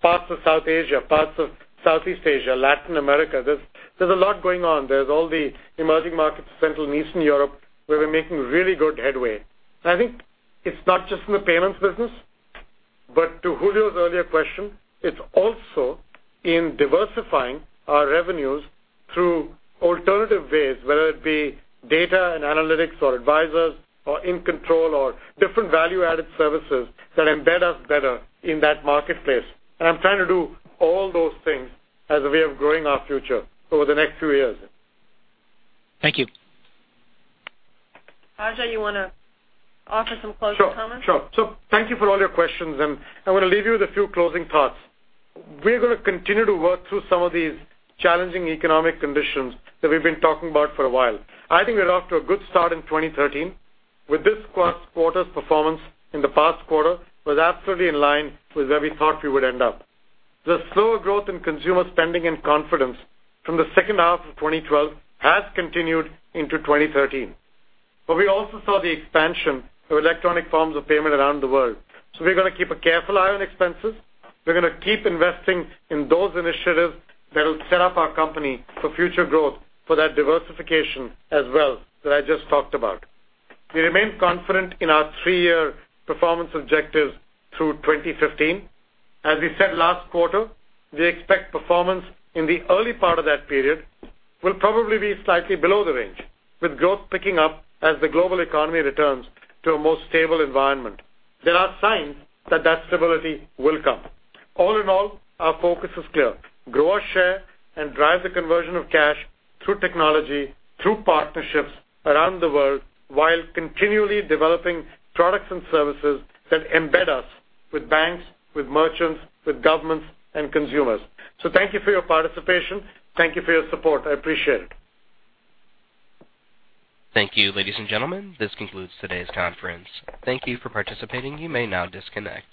[SPEAKER 3] Parts of South Asia, parts of Southeast Asia, Latin America. There's a lot going on. There's all the emerging markets, Central and Eastern Europe, where we're making really good headway. I think it's not just in the payments business, but to Julio's earlier question, it's also in diversifying our revenues through alternative ways, whether it be data and analytics or advisors or In Control or different value-added services that embed us better in that marketplace. I'm trying to do all those things as a way of growing our future over the next few years.
[SPEAKER 16] Thank you.
[SPEAKER 2] Ajay, you want to offer some closing comments?
[SPEAKER 3] Sure. Thank you for all your questions, and I want to leave you with a few closing thoughts. We're going to continue to work through some of these challenging economic conditions that we've been talking about for a while. I think we're off to a good start in 2013 with this past quarter's performance, and the past quarter was absolutely in line with where we thought we would end up. The slower growth in consumer spending and confidence from the second half of 2012 has continued into 2013. We also saw the expansion of electronic forms of payment around the world. We're going to keep a careful eye on expenses. We're going to keep investing in those initiatives that will set up our company for future growth for that diversification as well that I just talked about. We remain confident in our three-year performance objectives through 2015. As we said last quarter, we expect performance in the early part of that period will probably be slightly below the range, with growth picking up as the global economy returns to a more stable environment. There are signs that that stability will come. All in all, our focus is clear. Grow our share and drive the conversion of cash through technology, through partnerships around the world while continually developing products and services that embed us with banks, with merchants, with governments, and consumers. Thank you for your participation. Thank you for your support. I appreciate it.
[SPEAKER 1] Thank you, ladies and gentlemen. This concludes today's conference. Thank you for participating. You may now disconnect.